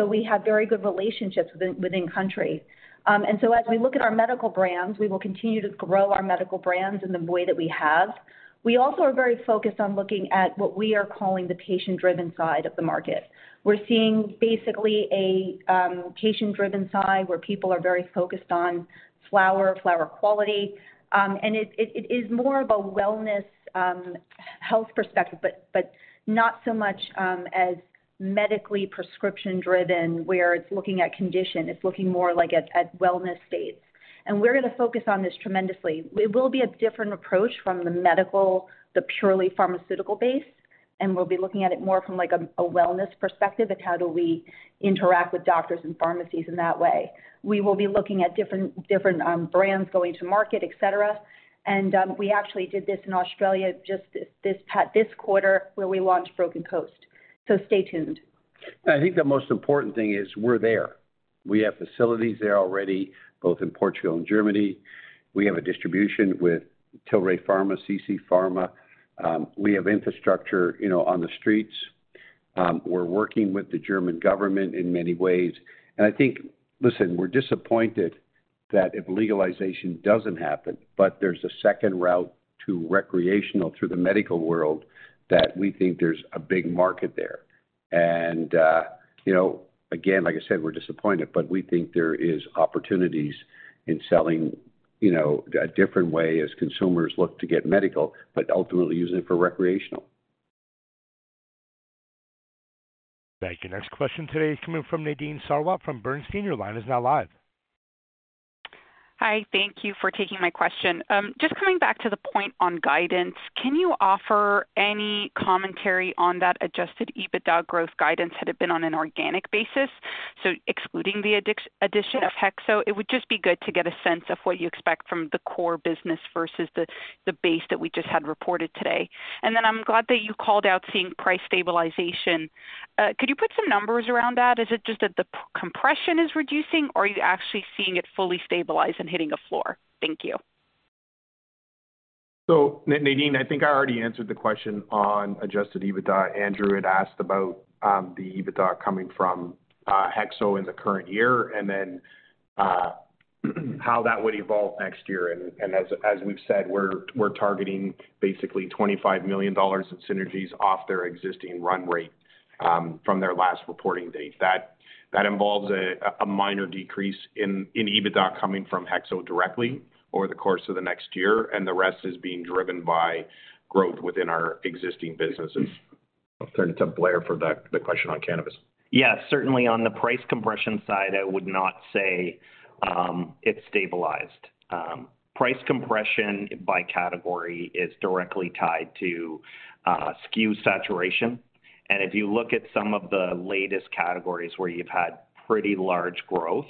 We have very good relationships within country. As we look at our medical brands, we will continue to grow our medical brands in the way that we have. We also are very focused on looking at what we are calling the patient-driven side of the market. We're seeing basically a patient-driven side, where people are very focused on flower quality. It is more of a wellness, health perspective, but not so much as medically prescription-driven, where it's looking at condition. It's looking more like at wellness states. We're going to focus on this tremendously. It will be a different approach from the medical, the purely pharmaceutical base, and we'll be looking at it more from a, like a wellness perspective of how do we interact with doctors and pharmacies in that way. We will be looking at different brands going to market, et cetera. We actually did this in Australia just this quarter, where we launched Broken Coast. Stay tuned. The most important thing is we're there. We have facilities there already, both in Portugal and Germany. We have a distribution with Tilray Pharma, CC Pharma. We have infrastructure, you know, on the streets. We're working with the German government in many ways. Listen, we're disappointed that if legalization doesn't happen, but there's a second route to recreational through the medical world, that we think there's a big market there. You know, again, like I said, we're disappointed, but we think there is opportunities in selling, you know, a different way as consumers look to get medical, but ultimately using it for recreational. Thank you. Next question today is coming from Nadine Sarwat from Bernstein. Your line is now live. Hi, thank you for taking my question. Just coming back to the point on guidance, can you offer any commentary on that Adjusted EBITDA growth guidance had it been on an organic basis? Excluding the addition of HEXO, it would just be good to get a sense of what you expect from the core business versus the base that we just had reported today. Then I'm glad that you called out seeing price stabilization. Could you put some numbers around that? Is it just that the compression is reducing, or are you actually seeing it fully stabilize and hitting a floor? Thank you. Nadine, I think I already answered the question on Adjusted EBITDA. Andrew had asked about the EBITDA coming from HEXO in the current year, how that would evolve next year. As we've said, we're targeting basically $25 million in synergies off their existing run rate from their last reporting date. That involves a minor decrease in EBITDA coming from HEXO directly over the course of the next year, the rest is being driven by growth within our existing businesses. I'll turn it to Blair for the question on cannabis. Certainly on the price compression side, I would not say it's stabilized. Price compression by category is directly tied to SKU saturation. If you look at some of the latest categories where you've had pretty large growth,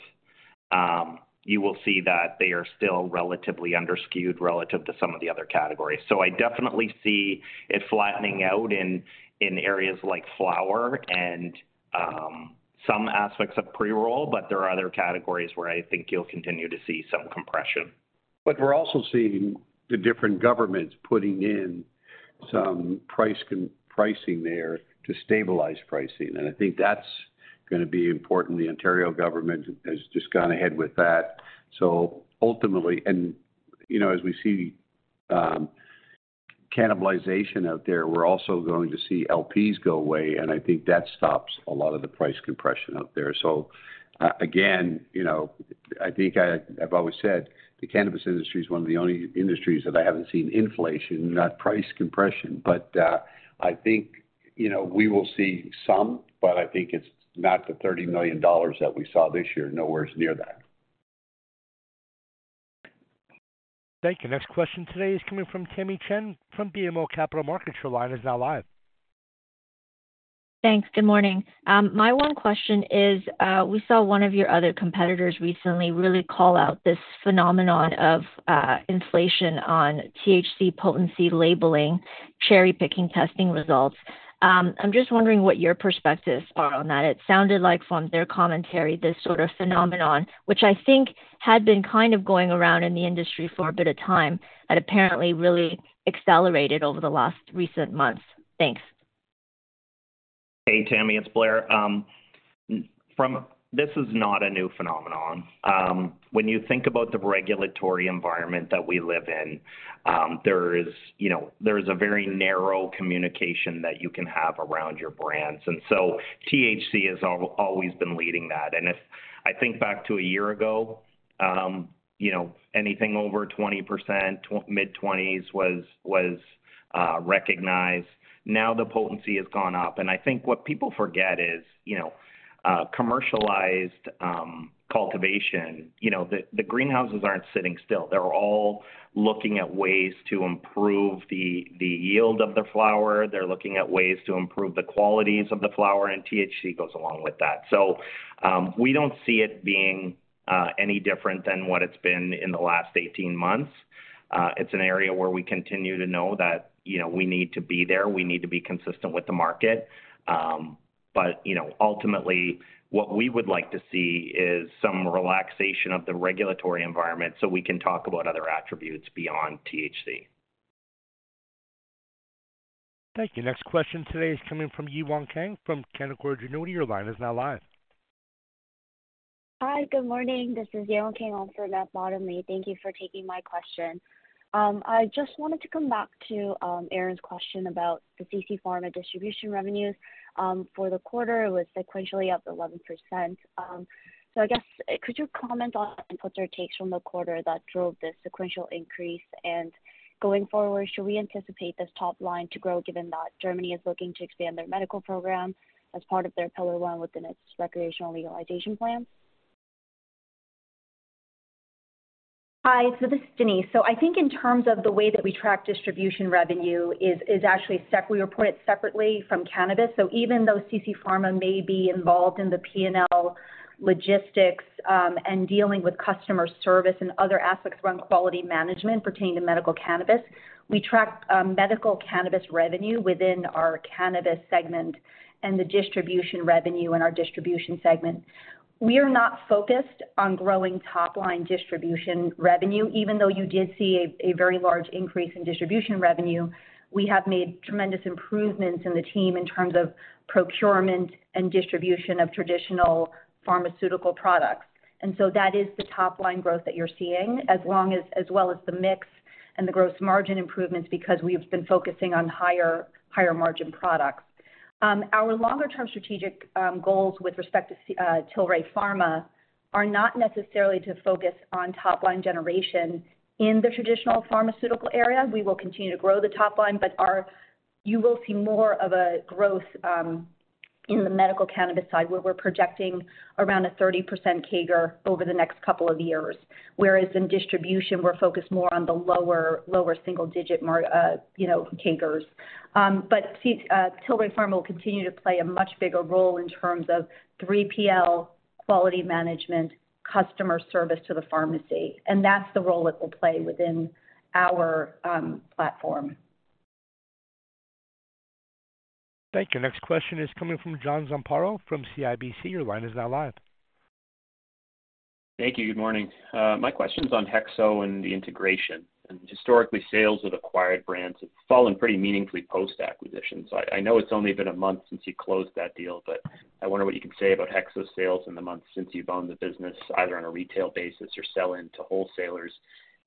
you will see that they are still relatively underskewed relative to some of the other categories. I definitely see it flattening out in areas like flower and some aspects of pre-roll, but there are other categories where I think you'll continue to see some compression. We're also seeing the different governments putting in some pricing there to stabilize pricing, and I think that's going to be important. The Ontario government has just gone ahead with that. Ultimately, and, you know, as we see cannibalization out there, we're also going to see LPs go away, and I think that stops a lot of the price compression out there. Again, you know, I think I've always said, the cannabis industry is one of the only industries that I haven't seen inflation, not price compression. I think, you know, we will see some, but I think it's not the $30 million that we saw this year. Nowhere near that. Thank you. Next question today is coming from Tamy Chen from BMO Capital Markets. Your line is now live. Thanks. Good morning. My one question is, we saw one of your other competitors recently really call out this phenomenon of inflation on THC potency labeling, cherry-picking testing results. I'm just wondering what your perspectives are on that. It sounded like from their commentary, this sort of phenomenon, which I think had been kind of going around in the industry for a bit of time, but apparently really accelerated over the last recent months. Thanks. Hey, Tamy, it's Blair. This is not a new phenomenon. When you think about the regulatory environment that we live in, there is, you know, there is a very narrow communication that you can have around your brands, and THC has always been leading that. If I think back to a year ago, you know, anything over 20%, mid-20s was recognized. Now the potency has gone up, and I think what people forget is, you know, commercialized cultivation, you know, the greenhouses aren't sitting still. They're all looking at ways to improve the yield of the flower. They're looking at ways to improve the qualities of the flower, and THC goes along with that. We don't see it being any different than what it's been in the last 18 months. It's an area where we continue to know that, you know, we need to be there, we need to be consistent with the market. You know, ultimately, what we would like to see is some relaxation of the regulatory environment so we can talk about other attributes beyond THC. Thank you. Next question today is coming from Yewon Kang from Canaccord Genuity. Your line is now live. Hi, good morning. This is Yewon Kang also from Bottomley. Thank you for taking my question. I just wanted to come back to Aaron's question about the CC Pharma distribution revenues. For the quarter, it was sequentially up 11%. I guess, could you comment on inputs or takes from the quarter that drove the sequential increase? Going forward, should we anticipate this top line to grow, given that Germany is looking to expand their medical program as part of their pillar one within its recreational legalization plan? Hi, this is Denise. I think in terms of the way that we track distribution revenue is actually we report it separately from cannabis. Even though CC Pharma may be involved in the PNL, logistics, and dealing with customer service and other aspects around quality management pertaining to medical cannabis, we track medical cannabis revenue within our cannabis segment and the distribution revenue in our distribution segment. We are not focused on growing top-line distribution revenue. Even though you did see a very large increase in distribution revenue, we have made tremendous improvements in the team in terms of procurement and distribution of traditional pharmaceutical products. That is the top-line growth that you're seeing, as well as the mix and the gross margin improvements, because we've been focusing on higher margin products. Our longer-term strategic goals with respect to Tilray Pharma are not necessarily to focus on top-line generation in the traditional pharmaceutical area. We will continue to grow the top line, but you will see more of a growth in the medical cannabis side, where we're projecting around a 30% CAGR over the next couple of years, whereas in distribution, we're focused more on the lower single digit you know, CAGRs. Tilray Pharma will continue to play a much bigger role in terms of 3PL, quality management, customer service to the pharmacy, and that's the role it will play within our platform. Thank you. Next question is coming from John Zamparo from CIBC. Your line is now live. Thank you. Good morning. My question's on HEXO and the integration. Historically, sales of acquired brands have fallen pretty meaningfully post-acquisition. I know it's only been a month since you closed that deal, but I wonder what you can say about HEXO sales in the months since you've owned the business, either on a retail basis or sell-in to wholesalers.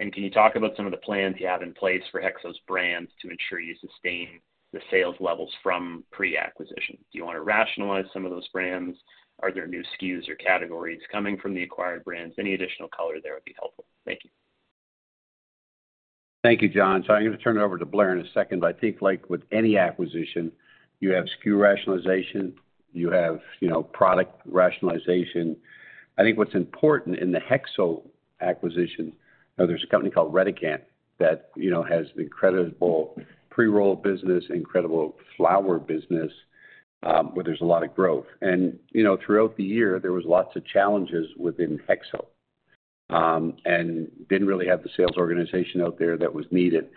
Can you talk about some of the plans you have in place for HEXO's brands to ensure you sustain the sales levels from pre-acquisition? Do you want to rationalize some of those brands? Are there new SKUs or categories coming from the acquired brands? Any additional color there would be helpful. Thank you. Thank you, John. I'm going to turn it over to Blair in a second, but I think, like with any acquisition, you have SKU rationalization, you have, you know, product rationalization. I think what's important in the HEXO acquisition, now there's a company called Redecan that, you know, has an incredible pre-roll business, incredible flower business, where there's a lot of growth. Throughout the year, there was lots of challenges within HEXO, and didn't really have the sales organization out there that was needed.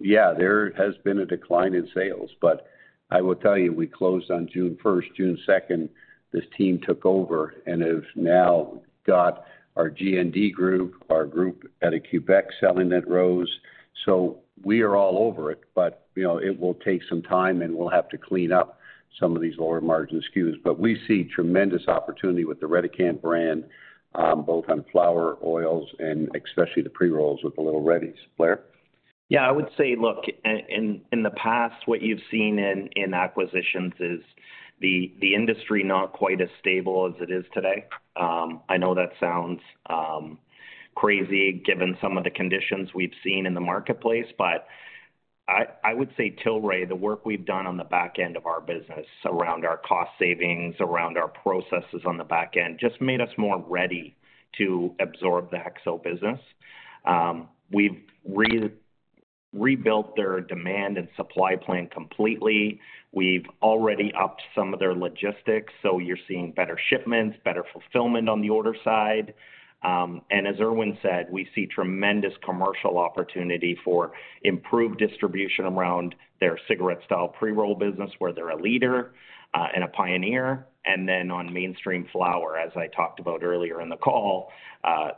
Yeah, there has been a decline in sales, but I will tell you, we closed on June 1st. June 2nd, this team took over and has now got our G&D group, our group out of Quebec, selling that rose. We are all over it, but, you know, it will take some time, and we'll have to clean up some of these lower-margin SKUs. We see tremendous opportunity with the Redecan brand, both on flower, oils, and especially the pre-rolls with the little Redees. Blair? Yeah, I would say, look, in the past, what you've seen in acquisitions is the industry not quite as stable as it is today. I know that sounds crazy given some of the conditions we've seen in the marketplace, but I would say Tilray, the work we've done on the back end of our business, around our cost savings, around our processes on the back end, just made us more ready to absorb the HEXO business. We've rebuilt their demand and supply plan completely. We've already upped some of their logistics, so you're seeing better shipments, better fulfillment on the order side. As Irwin said, we see tremendous commercial opportunity for improved distribution around their cigarette-style pre-roll business, where they're a leader and a pioneer, and then on mainstream flower, as I talked about earlier in the call.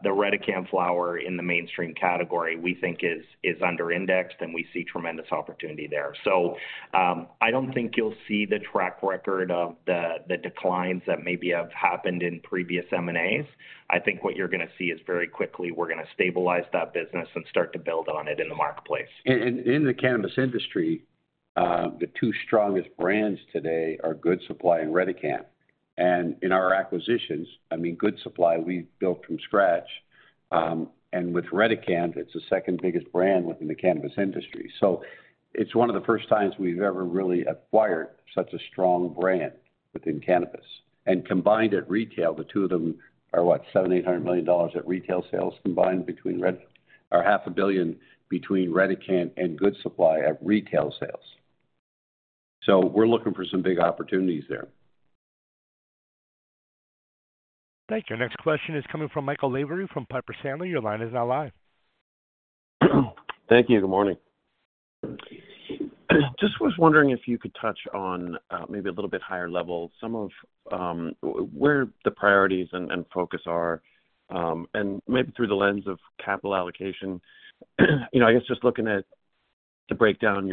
The Redecan flower in the mainstream category, we think is under indexed, and we see tremendous opportunity there. I don't think you'll see the track record of the declines that maybe have happened in previous M&As. I think what you're gonna see is very quickly, we're gonna stabilize that business and start to build on it in the marketplace. In the cannabis industry, the two strongest brands today are Good Supply and Redecan. In our acquisitions, I mean, Good Supply, we've built from scratch. With Redecan, it's the second biggest brand within the cannabis industry. It's one of the first times we've ever really acquired such a strong brand within cannabis. Combined at retail, the two of them are, what? $700 million-$800 million at retail sales combined between or half a billion dollars between Redecan and Good Supply at retail sales. We're looking for some big opportunities there. Thank you. Our next question is coming from Michael Lavery from Piper Sandler. Your line is now live. Thank you. Good morning. Just was wondering if you could touch on maybe a little bit higher level, some of where the priorities and focus are, and maybe through the lens of capital allocation. You know, I guess just looking at the breakdown,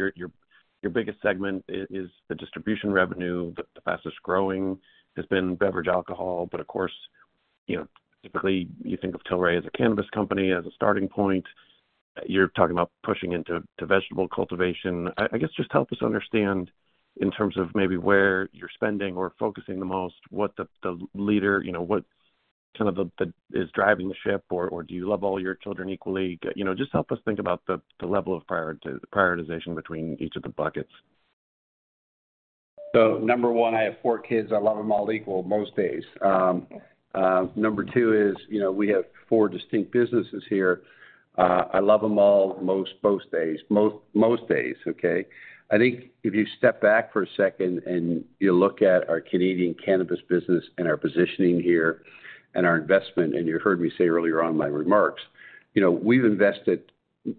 your biggest segment is the distribution revenue, the fastest growing has been beverage alcohol. Of course, you know, typically, you think of Tilray as a cannabis company as a starting point. You're talking about pushing into vegetable cultivation. I guess, just help us understand in terms of maybe where you're spending or focusing the most, what the leader, you know, what kind of the is driving the ship, or do you love all your children equally? You know, just help us think about the level of prioritization between each of the buckets. Number 1, I have four kids. I love them all equal most days. Number 2 is, you know, we have four distinct businesses here. I love them all, most days. Most days, okay? I think if you step back for a second and you look at our Canadian cannabis business and our positioning here and our investment, and you heard me say earlier on my remarks, you know, we've invested,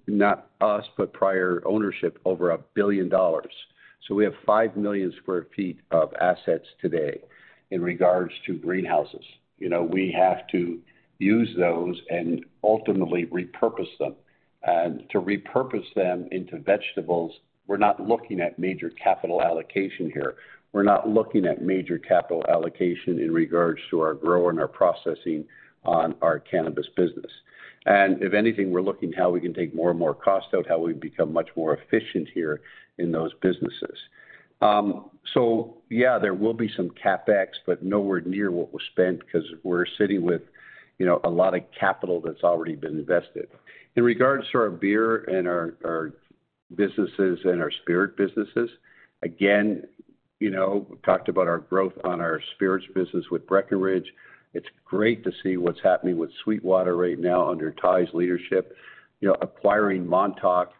not us, but prior ownership, over $1 billion. We have 5 million sq ft of assets today in regards to greenhouses. You know, we have to use those and ultimately repurpose them. To repurpose them into vegetables, we're not looking at major capital allocation here. We're not looking at major capital allocation in regards to our grower and our processing on our cannabis business. If anything, we're looking how we can take more and more cost out, how we become much more efficient here in those businesses. Yeah, there will be some CapEx, but nowhere near what was spent because we're sitting with, you know, a lot of capital that's already been invested. In regards to our beer and our businesses and our spirit businesses, again, you know, we talked about our growth on our spirits business with Breckenridge. It's great to see what's happening with SweetWater right now under Ty's leadership. You know, acquiring Montauk,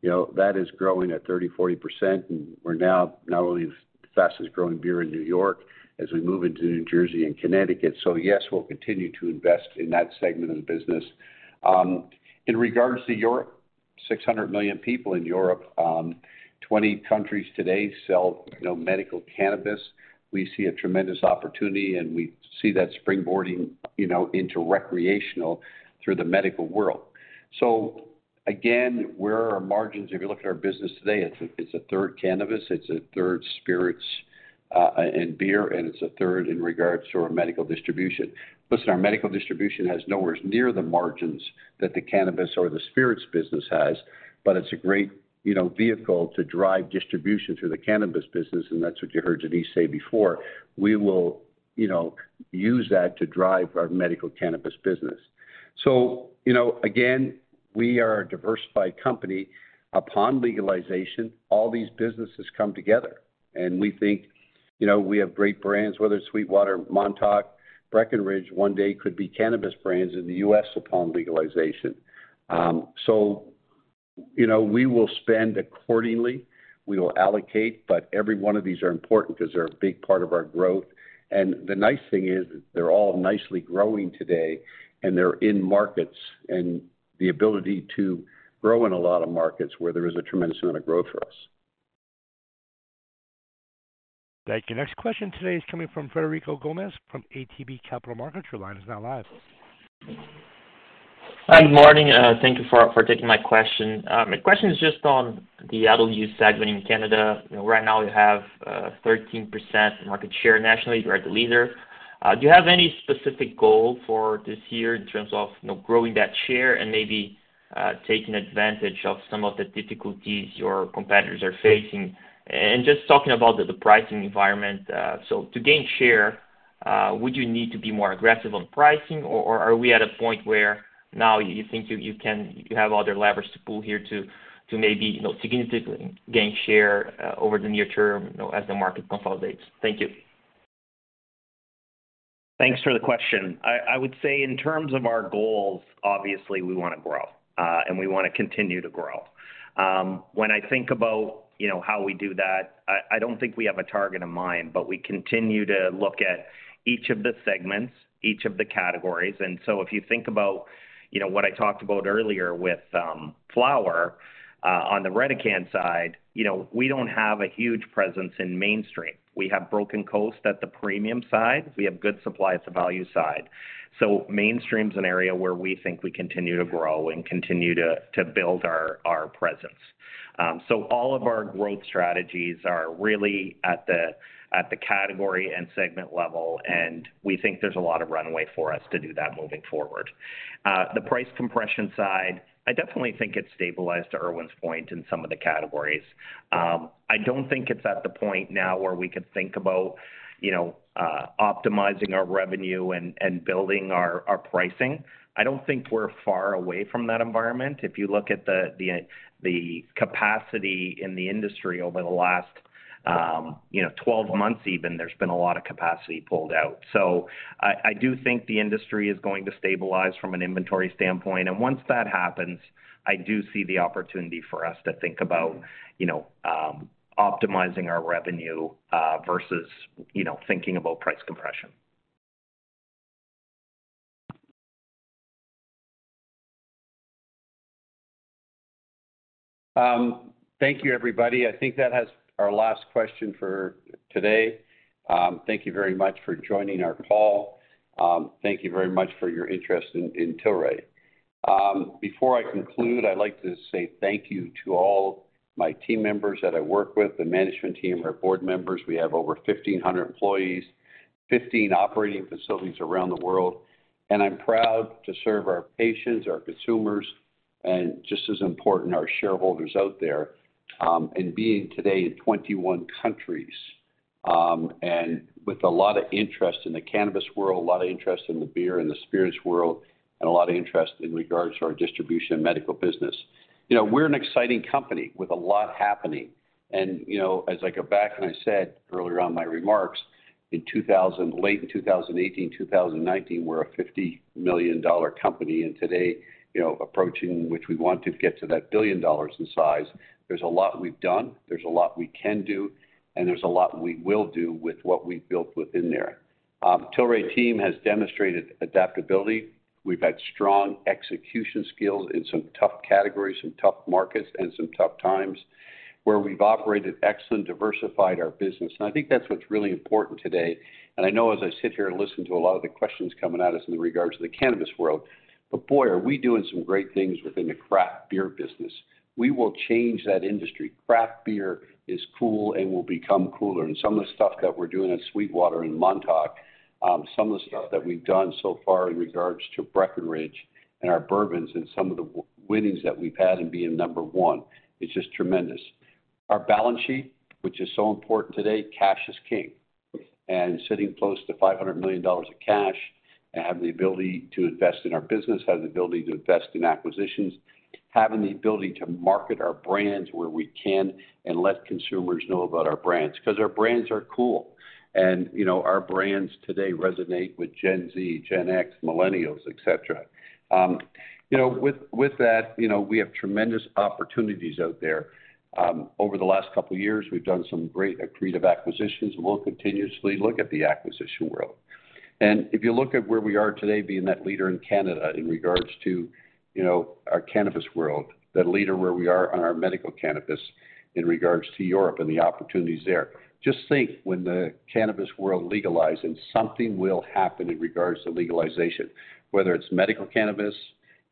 you know, that is growing at 30%, 40%, and we're now not only the fastest growing beer in New York as we move into New Jersey and Connecticut. Yes, we'll continue to invest in that segment of the business. In regards to Europe, 600 million people in Europe, 20 countries today sell, you know, medical cannabis. We see a tremendous opportunity, we see that springboarding, you know, into recreational through the medical world. Again, where are our margins? If you look at our business today, it's a third cannabis, it's a third spirits, and beer, and it's a third in regards to our medical distribution. Listen, our medical distribution has nowhere near the margins that the cannabis or the spirits business has, it's a great, you know, vehicle to drive distribution through the cannabis business, that's what you heard Denise say before. We will, you know, use that to drive our medical cannabis business. You know, again, we are a diversified company. Upon legalization, all these businesses come together. We think, you know, we have great brands, whether it's SweetWater, Montauk, Breckenridge, one day could be cannabis brands in the U.S. upon legalization. You know, we will spend accordingly, we will allocate, but every one of these are important because they're a big part of our growth. The nice thing is, they're all nicely growing today, and they're in markets, and the ability to grow in a lot of markets where there is a tremendous amount of growth for us. Thank you. Next question today is coming from Frederico Gomes, from ATB Capital Markets. Your line is now live. Hi, good morning. Thank you for taking my question. My question is just on the adult use segment in Canada. Right now, you have 13% market share nationally. You are the leader. Do you have any specific goal for this year in terms of, you know, growing that share and maybe taking advantage of some of the difficulties your competitors are facing? Just talking about the pricing environment, so to gain share, would you need to be more aggressive on pricing, or are we at a point where now you think you have other levers to pull here to maybe, you know, significantly gain share over the near term, you know, as the market consolidates? Thank you. Thanks for the question. I would say in terms of our goals, obviously, we want to grow and we want to continue to grow. When I think about, you know, how we do that, I don't think we have a target in mind, but we continue to look at each of the segments, each of the categories. If you think about, you know, what I talked about earlier with flower, on the Redecan side, you know, we don't have a huge presence in mainstream. We have Broken Coast at the premium side, we have Good Supply at the value side. Mainstream is an area where we think we continue to grow and continue to build our presence. All of our growth strategies are really at the, at the category and segment level, and we think there's a lot of runway for us to do that moving forward. The price compression side, I definitely think it's stabilized, to Irwin's point, in some of the categories. I don't think it's at the point now where we could think about, you know, optimizing our revenue and building our pricing. I don't think we're far away from that environment. If you look at the, the capacity in the industry over the last, you know, 12 months even, there's been a lot of capacity pulled out. I do think the industry is going to stabilize from an inventory standpoint, and once that happens, I do see the opportunity for us to think about, you know, optimizing our revenue, versus, you know, thinking about price compression. Thank you, everybody. I think that has our last question for today. Thank you very much for joining our call. Thank you very much for your interest in Tilray. Before I conclude, I'd like to say thank you to all my team members that I work with, the management team, our board members. We have over 1,500 employees, 15 operating facilities around the world, and I'm proud to serve our patients, our consumers, and just as important, our shareholders out there, and being today in 21 countries. With a lot of interest in the cannabis world, a lot of interest in the beer and the spirits world, and a lot of interest in regards to our distribution and medical business. You know, we're an exciting company with a lot happening. You know, as I go back, and I said earlier on my remarks, in late in 2018, 2019, we're a $50 million company, and today, you know, approaching which we want to get to that $1 billion in size. There's a lot we've done, there's a lot we can do, and there's a lot we will do with what we've built within there. Tilray team has demonstrated adaptability. We've had strong execution skills in some tough categories, in tough markets, and some tough times, where we've operated excellent, diversified our business. I think that's what's really important today. I know as I sit here and listen to a lot of the questions coming at us in regards to the cannabis world, but boy, are we doing some great things within the craft beer business. We will change that industry. Craft beer is cool and will become cooler, Some of the stuff that we're doing at SweetWater in Montauk, some of the stuff that we've done so far in regards to Breckenridge and our bourbons and some of the winnings that we've had in being number 1, is just tremendous. Our balance sheet, which is so important today, cash is king, sitting close to $500 million of cash and have the ability to invest in our business, have the ability to invest in acquisitions, having the ability to market our brands where we can, and let consumers know about our brands. Our brands are cool, and, you know, our brands today resonate with Gen Z, Gen X, millennials, et cetera. You know, with that, you know, we have tremendous opportunities out there. Over the last couple of years, we've done some great creative acquisitions, we'll continuously look at the acquisition world. If you look at where we are today, being that leader in Canada in regards to, you know, our cannabis world, the leader where we are on our medical cannabis in regards to Europe and the opportunities there. Just think, when the cannabis world legalizes, something will happen in regards to legalization, whether it's medical cannabis,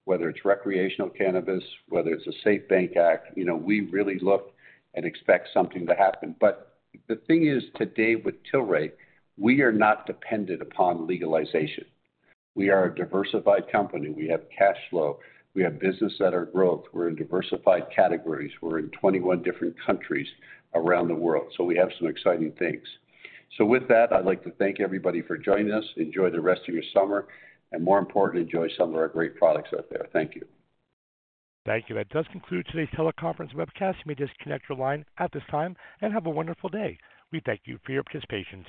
whether it's recreational cannabis, whether it's a SAFE Banking Act, you know, we really look and expect something to happen. The thing is, today with Tilray, we are not dependent upon legalization. We are a diversified company. We have cash flow, we have business that are growth, we're in diversified categories, we're in 21 different countries around the world, we have some exciting things. With that, I'd like to thank everybody for joining us. Enjoy the rest of your summer, and more importantly, enjoy some of our great products out there. Thank you. Thank you. That does conclude today's teleconference webcast. You may disconnect your line at this time, and have a wonderful day. We thank you for your participation.